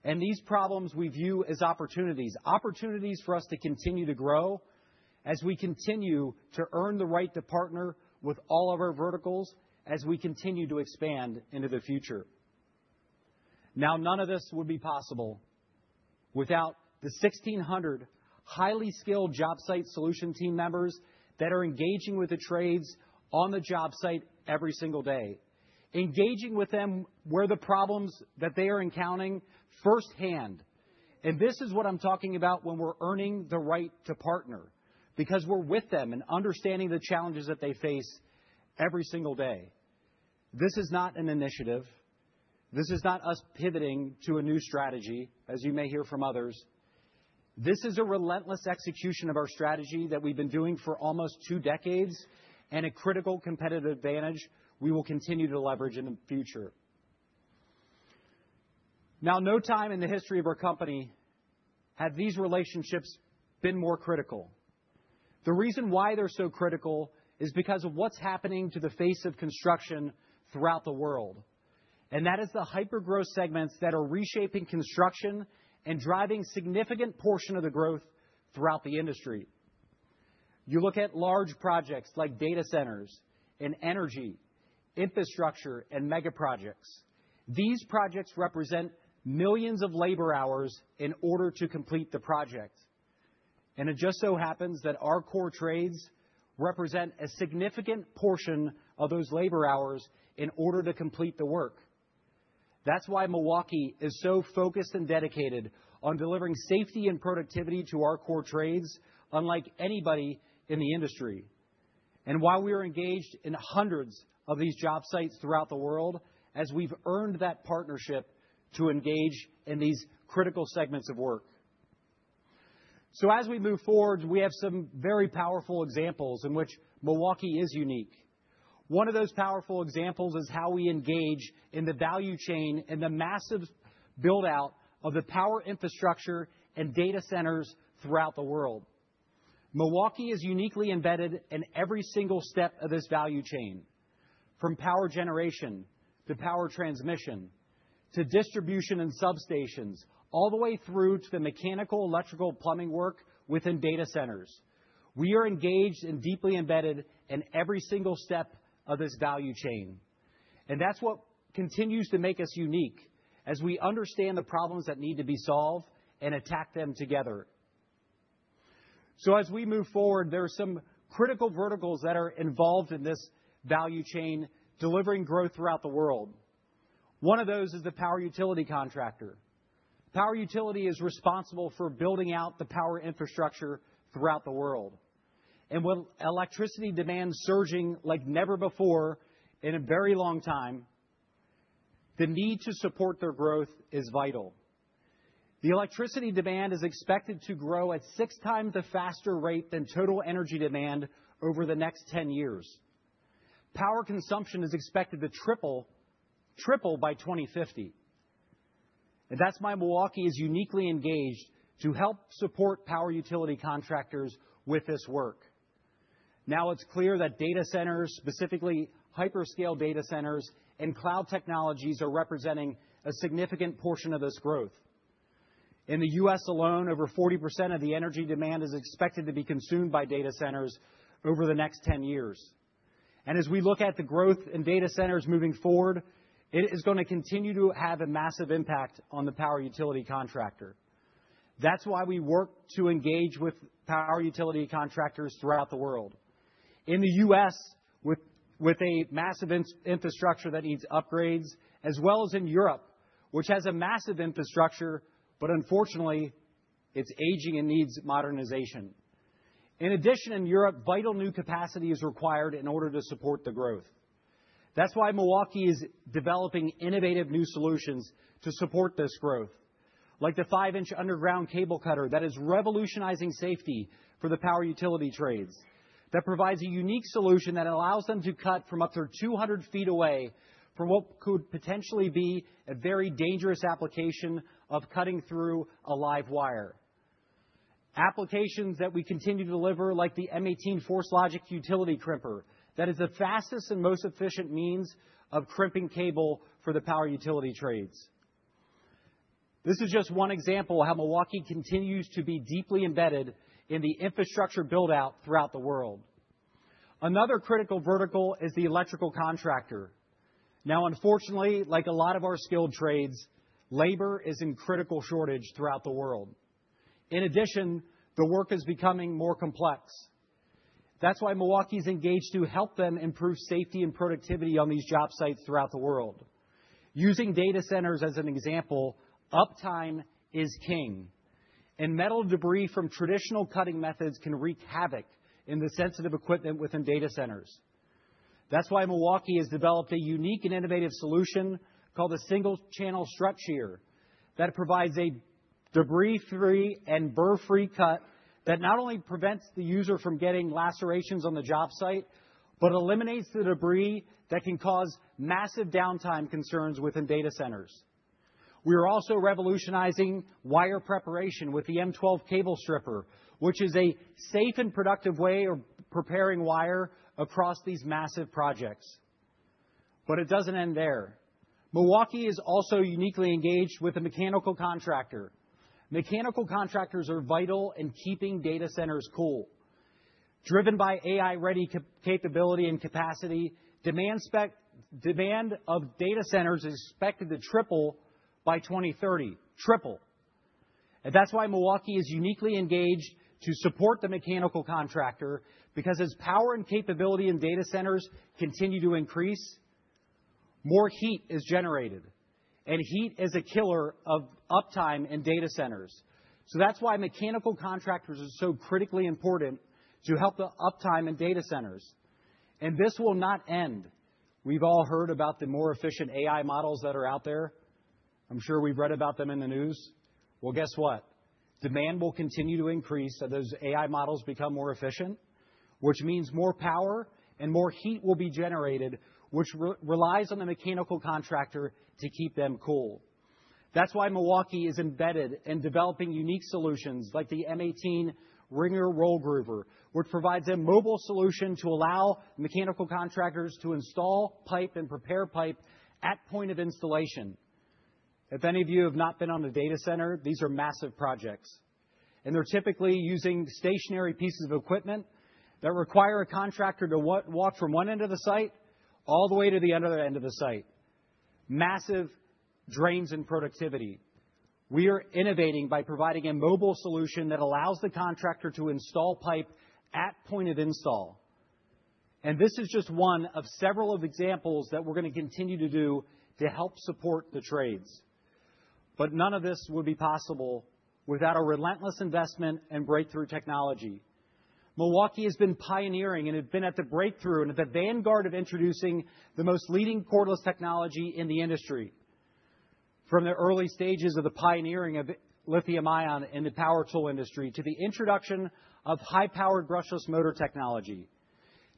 And these problems we view as opportunities, opportunities for us to continue to grow as we continue to earn the right to partner with all of our verticals as we continue to expand into the future. Now, none of this would be possible without the 1,600 highly skilled job site solution team members that are engaging with the trades on the job site every single day, engaging with them where the problems that they are encountering firsthand, and this is what I'm talking about when we're earning the right to partner because we're with them and understanding the challenges that they face every single day. This is not an initiative. This is not us pivoting to a new strategy, as you may hear from others. This is a relentless execution of our strategy that we've been doing for almost two decades and a critical competitive advantage we will continue to leverage in the future. Now, no time in the history of our company have these relationships been more critical. The reason why they're so critical is because of what's happening to the face of construction throughout the world, and that is the hypergrowth segments that are reshaping construction and driving a significant portion of the growth throughout the industry. You look at large projects like data centers and energy infrastructure and mega projects. These projects represent millions of labor hours in order to complete the project, and it just so happens that our core trades represent a significant portion of those labor hours in order to complete the work. That's why Milwaukee is so focused and dedicated on delivering safety and productivity to our core trades unlike anybody in the industry, and why we are engaged in hundreds of these job sites throughout the world as we've earned that partnership to engage in these critical segments of work. So as we move forward, we have some very powerful examples in which Milwaukee is unique. One of those powerful examples is how we engage in the value chain and the massive build-out of the power infrastructure and data centers throughout the world. Milwaukee is uniquely embedded in every single step of this value chain, from power generation to power transmission to distribution and substations, all the way through to the mechanical electrical plumbing work within data centers. We are engaged and deeply embedded in every single step of this value chain. And that's what continues to make us unique as we understand the problems that need to be solved and attack them together. So as we move forward, there are some critical verticals that are involved in this value chain delivering growth throughout the world. One of those is the power utility contractor. Power utility is responsible for building out the power infrastructure throughout the world. And with electricity demand surging like never before in a very long time, the need to support their growth is vital. The electricity demand is expected to grow at 6x a faster rate than total energy demand over the next 10 years. Power consumption is expected to triple by 2050. And that's why Milwaukee is uniquely engaged to help support power utility contractors with this work. Now, it's clear that data centers, specifically hyperscale data centers and cloud technologies, are representing a significant portion of this growth. In the U.S. alone, over 40% of the energy demand is expected to be consumed by data centers over the next 10 years. And as we look at the growth in data centers moving forward, it is going to continue to have a massive impact on the power utility contractor. That's why we work to engage with power utility contractors throughout the world. In the U.S., with a massive infrastructure that needs upgrades, as well as in Europe, which has a massive infrastructure, but unfortunately, it's aging and needs modernization. In addition, in Europe, vital new capacity is required in order to support the growth. That's why Milwaukee is developing innovative new solutions to support this growth, like the 5" Underground Cable Cutter that is revolutionizing safety for the power utility trades, that provides a unique solution that allows them to cut from up to 200 ft away from what could potentially be a very dangerous application of cutting through a live wire. Applications that we continue to deliver, like the M18 FORCE LOGIC Utility Crimper, that is the fastest and most efficient means of crimping cable for the power utility trades. This is just one example of how Milwaukee continues to be deeply embedded in the infrastructure build-out throughout the world. Another critical vertical is the electrical contractor. Now, unfortunately, like a lot of our skilled trades, labor is in critical shortage throughout the world. In addition, the work is becoming more complex. That's why Milwaukee is engaged to help them improve safety and productivity on these job sites throughout the world. Using data centers as an example, uptime is king, and metal debris from traditional cutting methods can wreak havoc in the sensitive equipment within data centers. That's why Milwaukee has developed a unique and innovative solution called a single-channel strut shear that provides a debris-free and burr-free cut that not only prevents the user from getting lacerations on the job site, but eliminates the debris that can cause massive downtime concerns within data centers. We are also revolutionizing wire preparation with the M12 Cable Stripper, which is a safe and productive way of preparing wire across these massive projects. But it doesn't end there. Milwaukee is also uniquely engaged with a mechanical contractor. Mechanical contractors are vital in keeping data centers cool. Driven by AI-ready capability and capacity, demand of data centers is expected to triple by 2030, triple. And that's why Milwaukee is uniquely engaged to support the mechanical contractor, because as power and capability in data centers continue to increase, more heat is generated. And heat is a killer of uptime in data centers. So that's why mechanical contractors are so critically important to help the uptime in data centers. And this will not end. We've all heard about the more efficient AI models that are out there. I'm sure we've read about them in the news. Well, guess what? Demand will continue to increase as those AI models become more efficient, which means more power and more heat will be generated, which relies on the mechanical contractor to keep them cool. That's why Milwaukee is embedded in developing unique solutions like the M18 RINGER Roll Groover, which provides a mobile solution to allow mechanical contractors to install pipe and prepare pipe at point of installation. If any of you have not been on a data center, these are massive projects. And they're typically using stationary pieces of equipment that require a contractor to walk from one end of the site all the way to the other end of the site. Massive drain on productivity. We are innovating by providing a mobile solution that allows the contractor to install pipe at point of install. And this is just one of several examples that we're going to continue to do to help support the trades. But none of this would be possible without a relentless investment and breakthrough technology. Milwaukee has been pioneering and has been at the breakthrough and at the vanguard of introducing the most leading cordless technology in the industry. From the early stages of the pioneering of lithium-ion in the power tool industry to the introduction of high-powered brushless motor technology,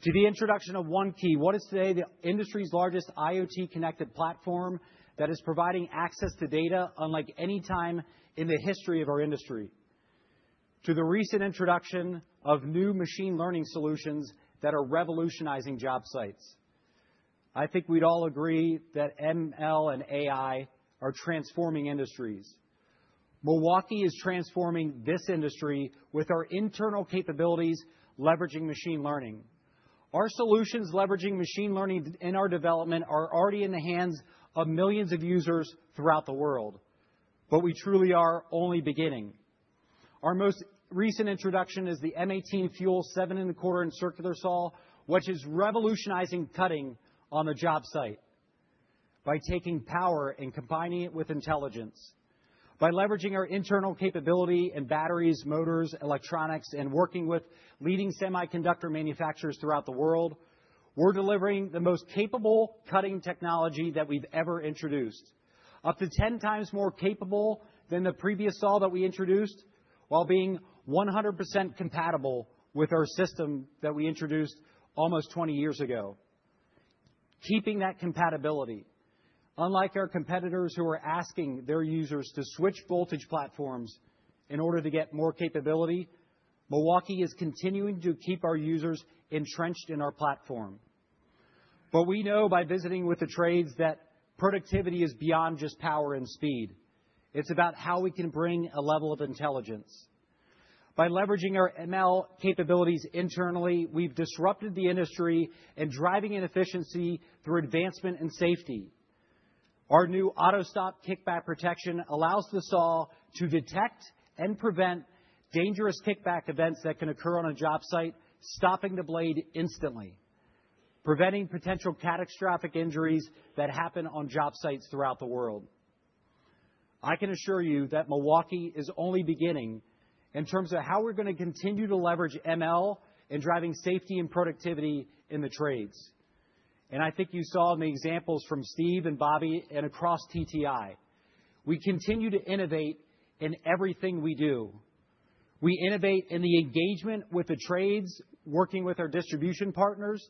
to the introduction of ONE-KEY, what is today the industry's largest IoT-connected platform that is providing access to data unlike any time in the history of our industry, to the recent introduction of new machine learning solutions that are revolutionizing job sites. I think we'd all agree that ML and AI are transforming industries. Milwaukee is transforming this industry with our internal capabilities leveraging machine learning. Our solutions leveraging machine learning in our development are already in the hands of millions of users throughout the world. But we truly are only beginning. Our most recent introduction is the M18 FUEL 7-1/4 Circular Saw, which is revolutionizing cutting on the job site by taking power and combining it with intelligence. By leveraging our internal capability and batteries, motors, electronics, and working with leading semiconductor manufacturers throughout the world, we're delivering the most capable cutting technology that we've ever introduced, up to 10x more capable than the previous saw that we introduced, while being 100% compatible with our system that we introduced almost 20 years ago. Keeping that compatibility. Unlike our competitors who are asking their users to switch voltage platforms in order to get more capability, Milwaukee is continuing to keep our users entrenched in our platform. But we know by visiting with the trades that productivity is beyond just power and speed. It's about how we can bring a level of intelligence. By leveraging our ML capabilities internally, we've disrupted the industry and driving inefficiency through advancement and safety. Our new AUTO-STOP kickback protection allows the saw to detect and prevent dangerous kickback events that can occur on a job site, stopping the blade instantly, preventing potential catastrophic injuries that happen on job sites throughout the world. I can assure you that Milwaukee is only beginning in terms of how we're going to continue to leverage ML in driving safety and productivity in the trades. And I think you saw in the examples from Steve and Bobby and across TTI. We continue to innovate in everything we do. We innovate in the engagement with the trades, working with our distribution partners,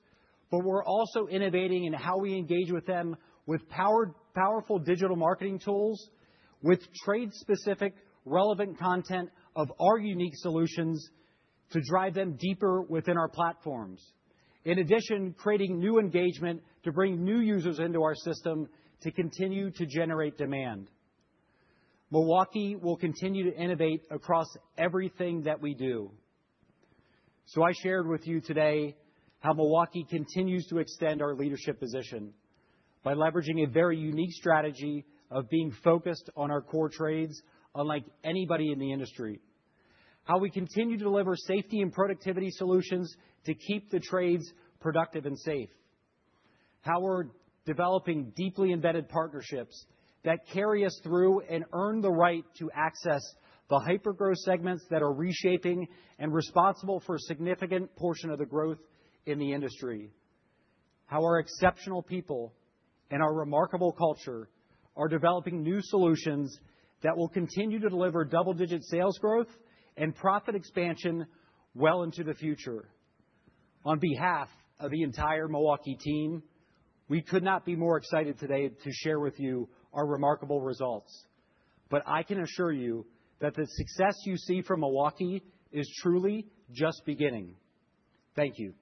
but we're also innovating in how we engage with them with powerful digital marketing tools, with trade-specific relevant content of our unique solutions to drive them deeper within our platforms. In addition, creating new engagement to bring new users into our system to continue to generate demand. Milwaukee will continue to innovate across everything that we do. So I shared with you today how Milwaukee continues to extend our leadership position by leveraging a very unique strategy of being focused on our core trades unlike anybody in the industry, how we continue to deliver safety and productivity solutions to keep the trades productive and safe, how we're developing deeply embedded partnerships that carry us through and earn the right to access the hypergrowth segments that are reshaping and responsible for a significant portion of the growth in the industry, how our exceptional people and our remarkable culture are developing new solutions that will continue to deliver double-digit sales growth and profit expansion well into the future. On behalf of the entire Milwaukee team, we could not be more excited today to share with you our remarkable results. But I can assure you that the success you see from Milwaukee is truly just beginning. Thank you.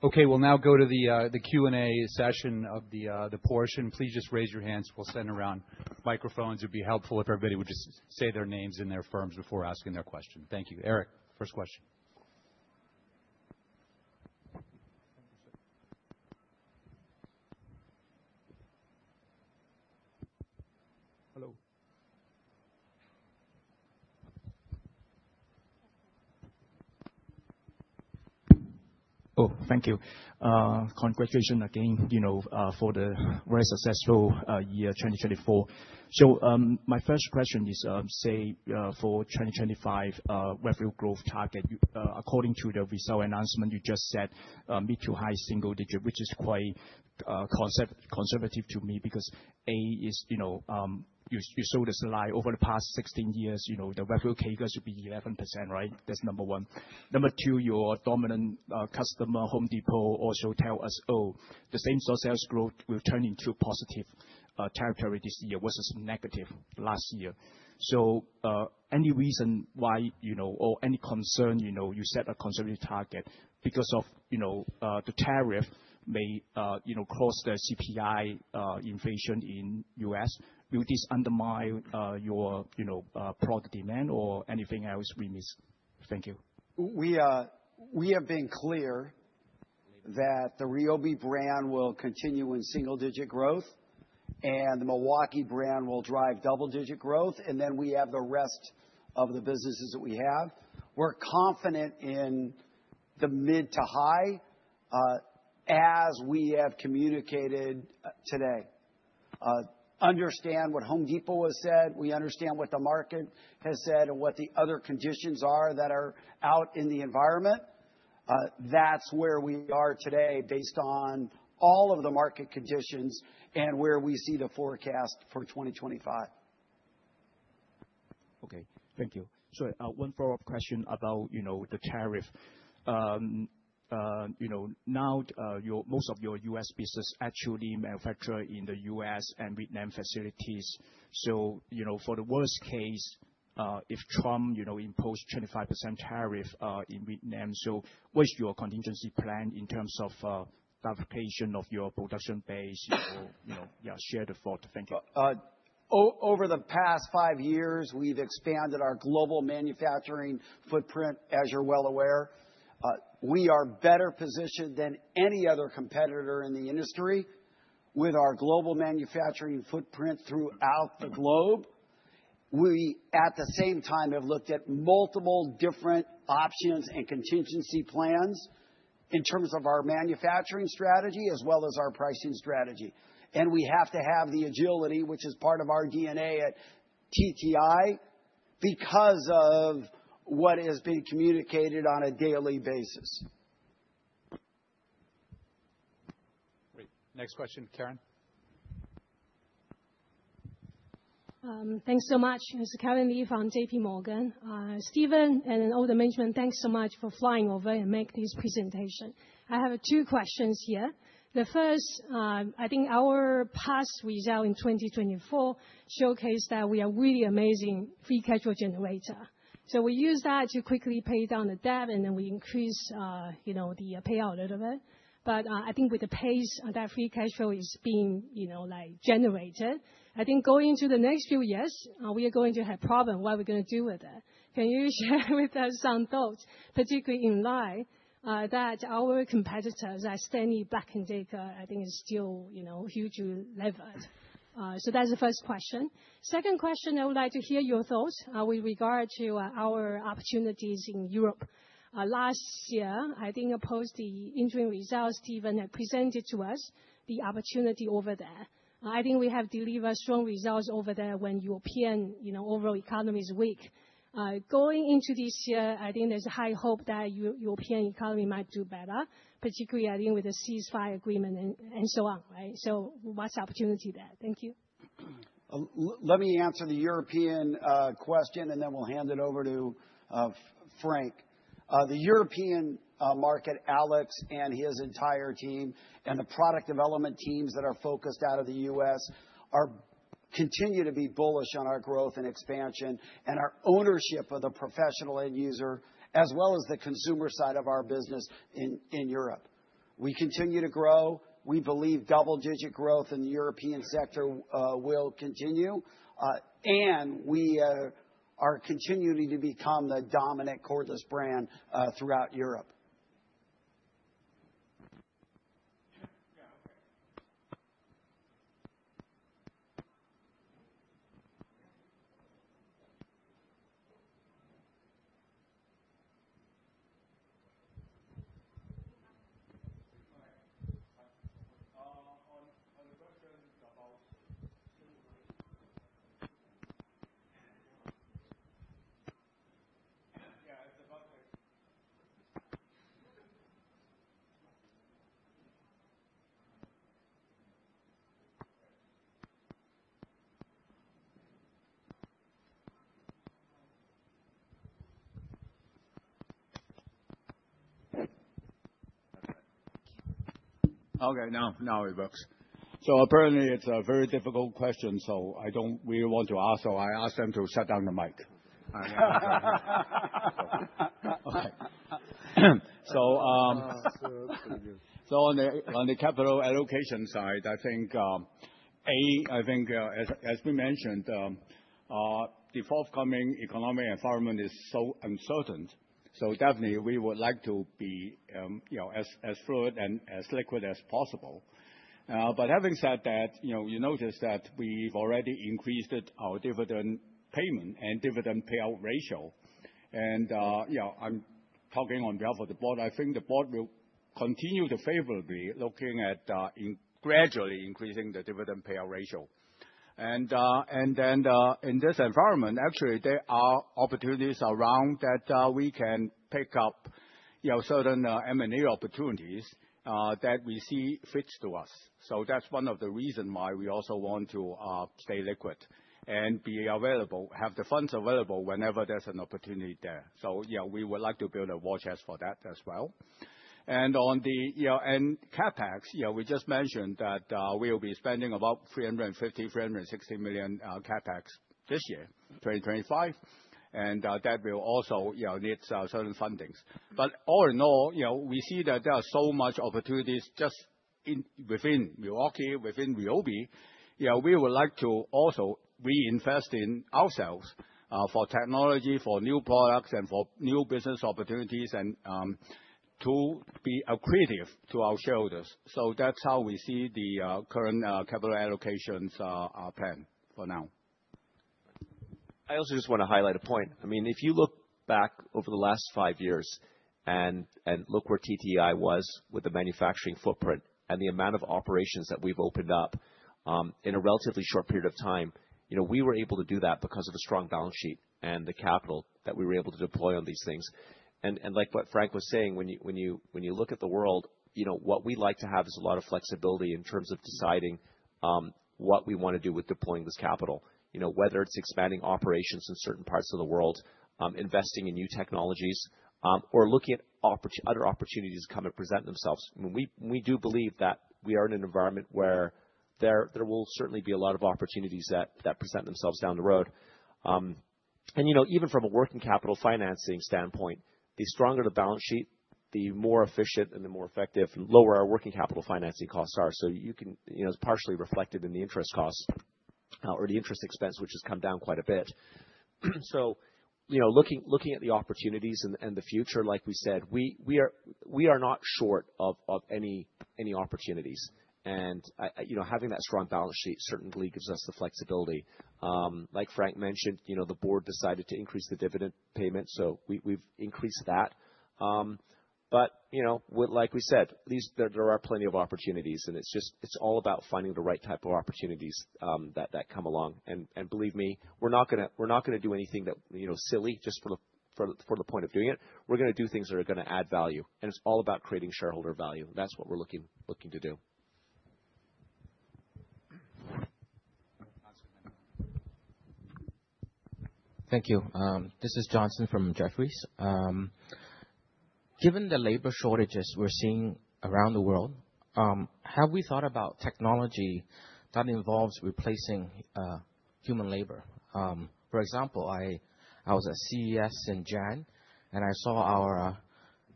Okay, we'll now go to the Q&A session of the portion. Please just raise your hands. We'll send around microphones. It would be helpful if everybody would just say their names and their firms before asking their question. Thank you. Eric, first question. Hello. Oh, thank you. Congratulations again for the very successful year 2024. So my first question is, say, for 2025, what's your growth target? According to the result announcement you just said, mid- to high-single-digit, which is quite conservative to me because A is, you saw the slide, over the past 16 years, the revenue figure should be 11%, right? That's number one. Number two, your dominant customer, Home Depot, also tell us, oh, the same sales growth will turn into positive territory this year versus negative last year. So any reason why or any concern? You set a conservative target because of the tariff may cross the CPI inflation in the U.S. Will this undermine your product demand or anything else we miss? Thank you. We have been clear that the RYOBI brand will continue in single-digit growth, and the Milwaukee brand will drive double-digit growth. And then we have the rest of the businesses that we have. We're confident in the mid to high, as we have communicated today. Understand what Home Depot has said. We understand what the market has said and what the other conditions are that are out in the environment. That's where we are today, based on all of the market conditions and where we see the forecast for 2025. Okay, thank you. So one follow-up question about the tariff. Now, most of your U.S. business actually manufactures in the U.S. and Vietnam facilities. So for the worst case, if Trump imposed a 25% tariff in Vietnam, so what is your contingency plan in terms of fabrication of your production base? Your share to Ford. Thank you. Over the past five years, we've expanded our global manufacturing footprint, as you're well aware. We are better positioned than any other competitor in the industry with our global manufacturing footprint throughout the globe. We, at the same time, have looked at multiple different options and contingency plans in terms of our manufacturing strategy as well as our pricing strategy. We have to have the agility, which is part of our DNA at TTI, because of what is being communicated on a daily basis. Great. Next question, Karen. Thanks so much. This is Karen Li from JPMorgan. Steven and all the management, thanks so much for flying over and making this presentation. I have two questions here. The first, I think our past result in 2024 showcased that we have a really amazing free cash flow generator. So we use that to quickly pay down the debt, and then we increase the payout a little bit. But I think with the pace that free cash flow is being generated, I think going into the next few years, we are going to have problems. What are we going to do with it? Can you share with us some thoughts, particularly in line, that our competitors, like Stanley Black & Decker, I think is still hugely leveraged? So that's the first question. Second question, I would like to hear your thoughts with regard to our opportunities in Europe. Last year, I think post the interim results, Steven had presented to us the opportunity over there. I think we have delivered strong results over there when European overall economy is weak. Going into this year, I think there's a high hope that European economy might do better, particularly, I think, with the ceasefire agreement and so on, right? So what's the opportunity there? Thank you. Let me answer the European question, and then we'll hand it over to Frank. The European market, Alex and his entire team, and the product development teams that are focused out of the U.S. Continue to be bullish on our growth and expansion and our ownership of the professional end user, as well as the consumer side of our business in Europe. We continue to grow. We believe double-digit growth in the European sector will continue, and we are continuing to become the dominant cordless brand throughout Europe. Okay, now it works, so apparently, it's a very difficult question, so I don't really want to ask, so I asked them to shut down the mic, so on the capital allocation side, I think, A, I think, as we mentioned, the forthcoming economic environment is so uncertain, so definitely, we would like to be as fluid and as liquid as possible, but having said that, you notice that we've already increased our dividend payment and dividend payout ratio, and I'm talking on behalf of the board. I think the board will continue to favorably looking at gradually increasing the dividend payout ratio. Then in this environment, actually, there are opportunities around that we can pick up certain M&A opportunities that we see fits to us. So that's one of the reasons why we also want to stay liquid and be available, have the funds available whenever there's an opportunity there. We would like to build a war chest for that as well. On the end CapEx, we just mentioned that we'll be spending about $350 million-$360 million CapEx this year, 2025. That will also need certain fundings. All in all, we see that there are so much opportunities just within Milwaukee, within RYOBI. We would like to also reinvest in ourselves for technology, for new products, and for new business opportunities and to be accretive to our shareholders. So that's how we see the current capital allocations plan for now. I also just want to highlight a point. I mean, if you look back over the last five years and look where TTI was with the manufacturing footprint and the amount of operations that we've opened up in a relatively short period of time, we were able to do that because of a strong balance sheet and the capital that we were able to deploy on these things. And like what Frank was saying, when you look at the world, what we'd like to have is a lot of flexibility in terms of deciding what we want to do with deploying this capital, whether it's expanding operations in certain parts of the world, investing in new technologies, or looking at other opportunities to come and present themselves. We do believe that we are in an environment where there will certainly be a lot of opportunities that present themselves down the road. And even from a working capital financing standpoint, the stronger the balance sheet, the more efficient and the more effective and lower our working capital financing costs are. So it's partially reflected in the interest costs or the interest expense, which has come down quite a bit. So looking at the opportunities and the future, like we said, we are not short of any opportunities. And having that strong balance sheet certainly gives us the flexibility. Like Frank mentioned, the board decided to increase the dividend payment, so we've increased that. But like we said, there are plenty of opportunities, and it's all about finding the right type of opportunities that come along. And believe me, we're not going to do anything silly just for the point of doing it. We're going to do things that are going to add value. And it's all about creating shareholder value. That's what we're looking to do. Thank you. This is Johnson Wan from Jefferies. Given the labor shortages we're seeing around the world, have we thought about technology that involves replacing human labor? For example, I was at CES in January, and I saw our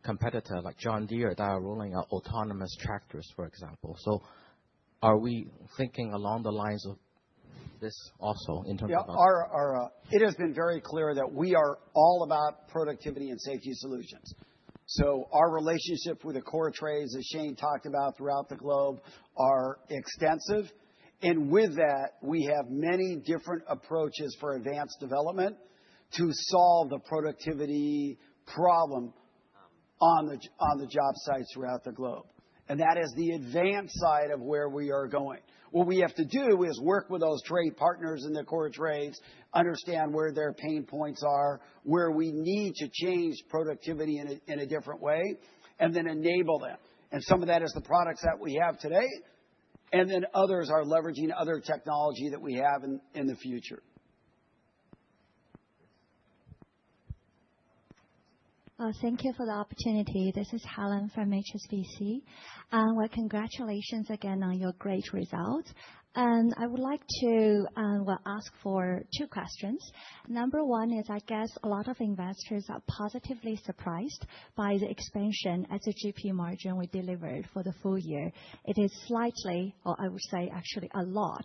competitor like John Deere that are rolling out Autonomous Tractors, for example. So are we thinking along the lines of this also in terms of? Yeah, it has been very clear that we are all about productivity and safety solutions. So our relationship with the core trades, as Shane talked about throughout the globe, are extensive. With that, we have many different approaches for advanced development to solve the productivity problem on the job sites throughout the globe. That is the advanced side of where we are going. What we have to do is work with those trade partners in the core trades, understand where their pain points are, where we need to change productivity in a different way, and then enable them. Some of that is the products that we have today, and then others are leveraging other technology that we have in the future. Thank you for the opportunity. This is Helen from HSBC. Congratulations again on your great results. I would like to ask for two questions. Number one is, I guess a lot of investors are positively surprised by the expansion at the GP margin we delivered for the full year. It is slightly, or I would say actually a lot,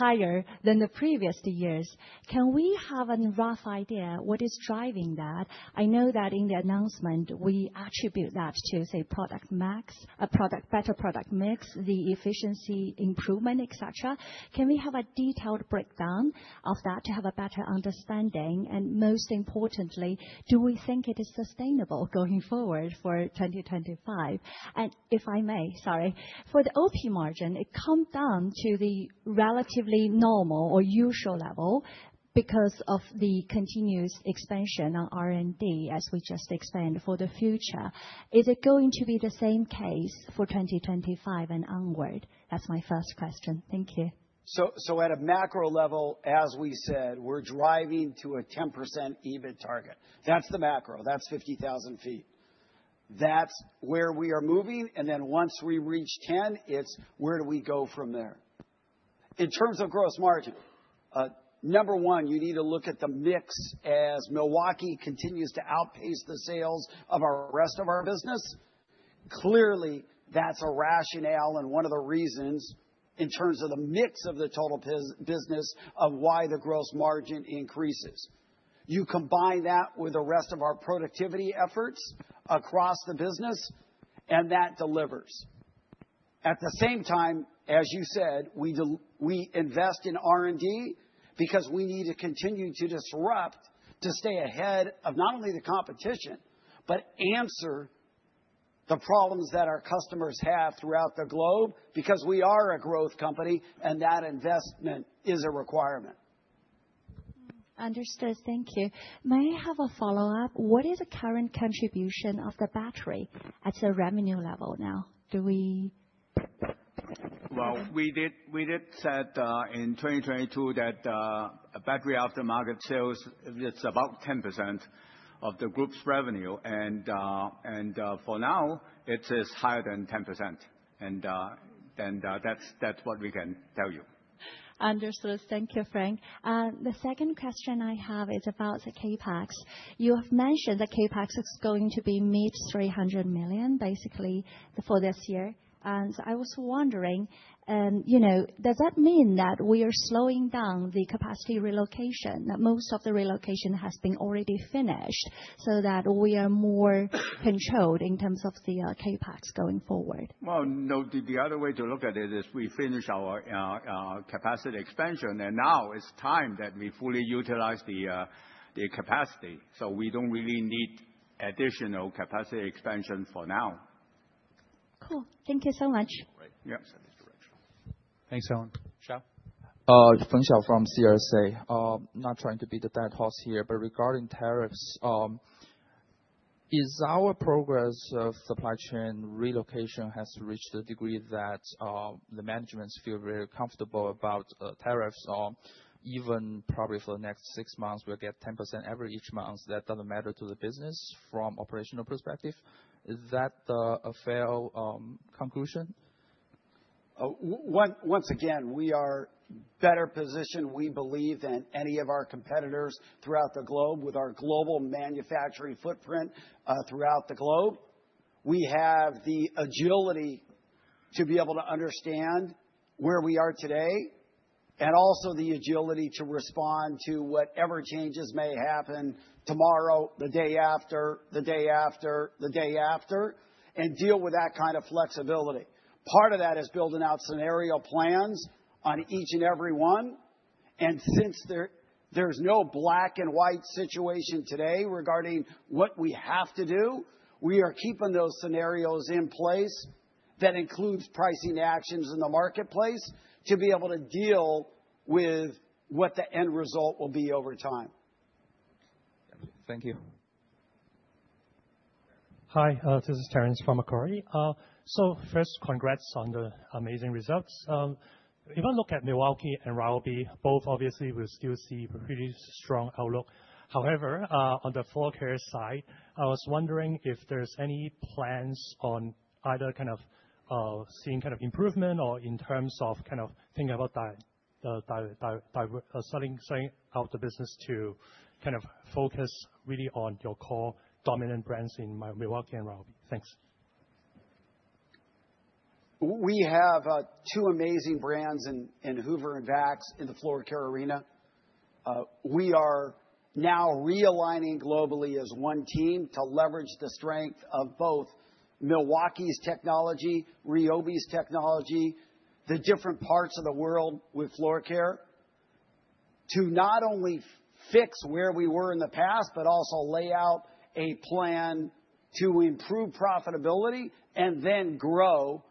higher than the previous years. Can we have a rough idea of what is driving that? I know that in the announcement, we attribute that to, say, product mix, a better product mix, the efficiency improvement, etc. Can we have a detailed breakdown of that to have a better understanding? And most importantly, do we think it is sustainable going forward for 2025? And if I may, sorry, for the OP margin, it comes down to the relatively normal or usual level because of the continuous expansion on R&D as we just expand for the future. Is it going to be the same case for 2025 and onward? That's my first question. Thank you. So at a macro level, as we said, we're driving to a 10% EBIT target. That's the macro. That's 50,000 ft. That's where we are moving. And then once we reach 10, it's where do we go from there? In terms of gross margin, number one, you need to look at the mix. As Milwaukee continues to outpace the sales of our rest of our business, clearly that's a rationale and one of the reasons in terms of the mix of the total business of why the gross margin increases. You combine that with the rest of our productivity efforts across the business, and that delivers. At the same time, as you said, we invest in R&D because we need to continue to disrupt to stay ahead of not only the competition, but answer the problems that our customers have throughout the globe because we are a growth company and that investment is a requirement. Understood. Thank you. May I have a follow-up? What is the current contribution of the battery at the revenue level now? Do we? Well, we did set in 2022 that battery aftermarket sales, it's about 10% of the group's revenue. And for now, it is higher than 10%. And then that's what we can tell you. Understood. Thank you, Frank. The second question I have is about the CapEx. You have mentioned that CapEx is going to be mid-$300 million basically for this year. And I was wondering, does that mean that we are slowing down the capacity relocation, that most of the relocation has been already finished so that we are more controlled in terms of the CapEx going forward? Well, no. The other way to look at it is we finish our capacity expansion, and now it's time that we fully utilize the capacity. So we don't really need additional capacity expansion for now. Cool. Thank you so much. Right. Yep. Thanks, Helen. Xiao? Xiao Feng from CLSA. Not trying to be the bad guy here, but regarding tariffs, is our progress of supply chain relocation has reached the degree that the management feel very comfortable about tariffs or even probably for the next six months, we'll get 10% every month that doesn't matter to the business from operational perspective? Is that a fair conclusion? Once again, we are better positioned, we believe, than any of our competitors throughout the globe with our global manufacturing footprint throughout the globe. We have the agility to be able to understand where we are today and also the agility to respond to whatever changes may happen tomorrow, the day after, the day after, the day after, and deal with that kind of flexibility. Part of that is building out scenario plans on each and every one. Since there's no black and white situation today regarding what we have to do, we are keeping those scenarios in place that includes pricing actions in the marketplace to be able to deal with what the end result will be over time. Thank you. Hi, this is Terence from Macquarie. So first, congrats on the amazing results. If I look at Milwaukee and RYOBI, both obviously will still see a pretty strong outlook. However, on the forecast side, I was wondering if there's any plans on either kind of seeing kind of improvement or in terms of kind of thinking about the selling out the business to kind of focus really on your core dominant brands in Milwaukee and RYOBI. Thanks. We have two amazing brands in Hoover and VAX in the Floorcare arena. We are now realigning globally as one team to leverage the strength of both Milwaukee's technology, RYOBI's technology, the different parts of the world with floor care to not only fix where we were in the past, but also lay out a plan to improve profitability and then grow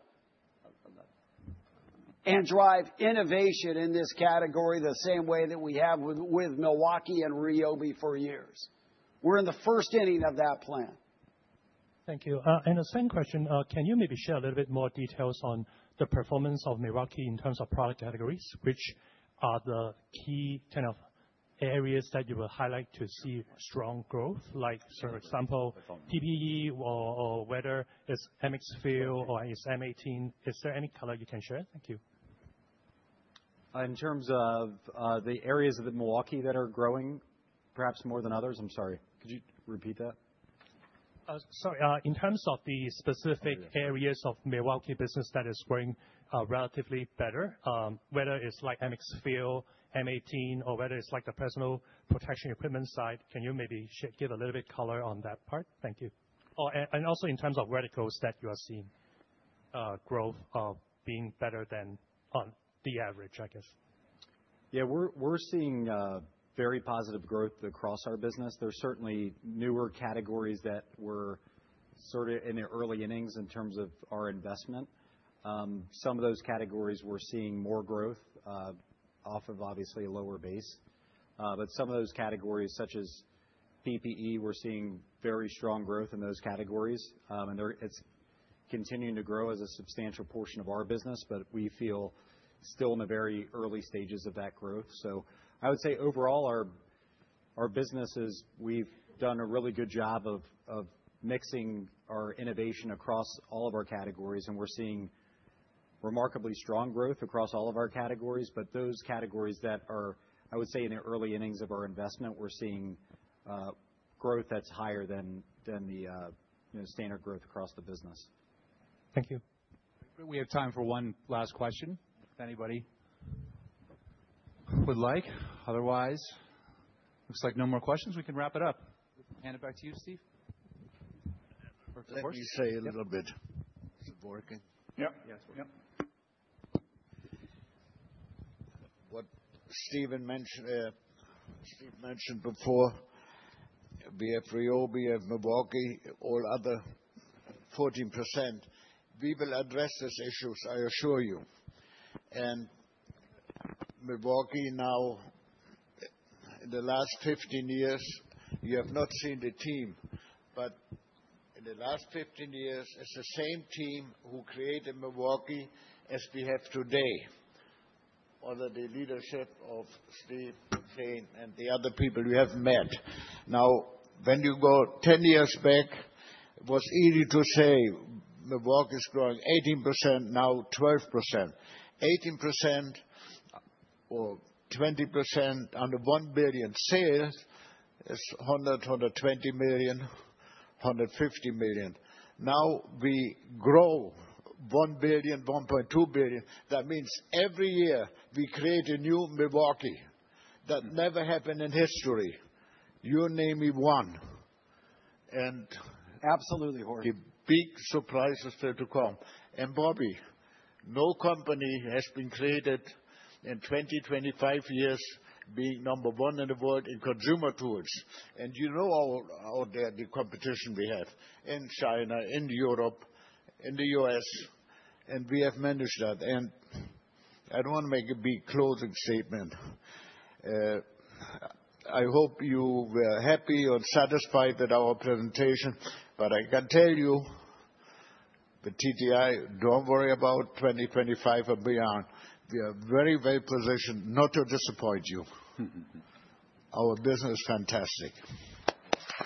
and drive innovation in this category the same way that we have with Milwaukee and RYOBI for years. We're in the first inning of that plan. Thank you. And the same question, can you maybe share a little bit more details on the performance of Milwaukee in terms of product categories, which are the key kind of areas that you will highlight to see strong growth, like for example, PPE or whether it's MX FUEL or it's M18? Is there any color you can share? Thank you. In terms of the specific areas of Milwaukee business that is growing relatively better, whether it's like MX FUEL, M18, or whether it's like the personal protective equipment side, can you maybe give a little bit color on that part? Thank you, and also in terms of verticals that you are seeing growth being better than the average, I guess. Yeah, we're seeing very positive growth across our business. There are certainly newer categories that were sort of in the early innings in terms of our investment. Some of those categories we're seeing more growth off of obviously a lower base. But some of those categories such as PPE, we're seeing very strong growth in those categories. And it's continuing to grow as a substantial portion of our business, but we feel still in the very early stages of that growth. So I would say overall, our businesses, we've done a really good job of mixing our innovation across all of our categories. And we're seeing remarkably strong growth across all of our categories. But those categories that are, I would say, in the early innings of our investment, we're seeing growth that's higher than the standard growth across the business. Thank you. We have time for one last question if anybody would like. Otherwise, looks like no more questions. We can wrap it up. Hand it back to you, Steve. Thank you. Say a little bit. Is it working? Yep. Yes. Yep. What Steven mentioned before, we have RYOBI, we have Milwaukee, all other 14%. We will address these issues, I assure you. Milwaukee now, in the last 15 years, you have not seen the team, but in the last 15 years, it's the same team who created Milwaukee as we have today, under the leadership of Steve, Shane and the other people you have met. Now, when you go 10 years back, it was easy to say Milwaukee is growing 18%, now 12%. 18% or 20% under $1 billion sales, it's $100 million, $120 million, $150 million. Now we grow $1 billion, $1.2 billion. That means every year we create a new Milwaukee. That never happened in history. You name me one. Absolutely horrible. The big surprise is still to come. And Bobby, no company has been created in 20-25 years being number one in the world in consumer tools. And you know all the competition we have in China, in Europe, in the U.S., and we have managed that. I don't want to make a big closing statement. I hope you were happy and satisfied with our presentation, but I can tell you, the TTI, don't worry about 2025 and beyond. We are very, very positioned not to disappoint you. Our business is fantastic.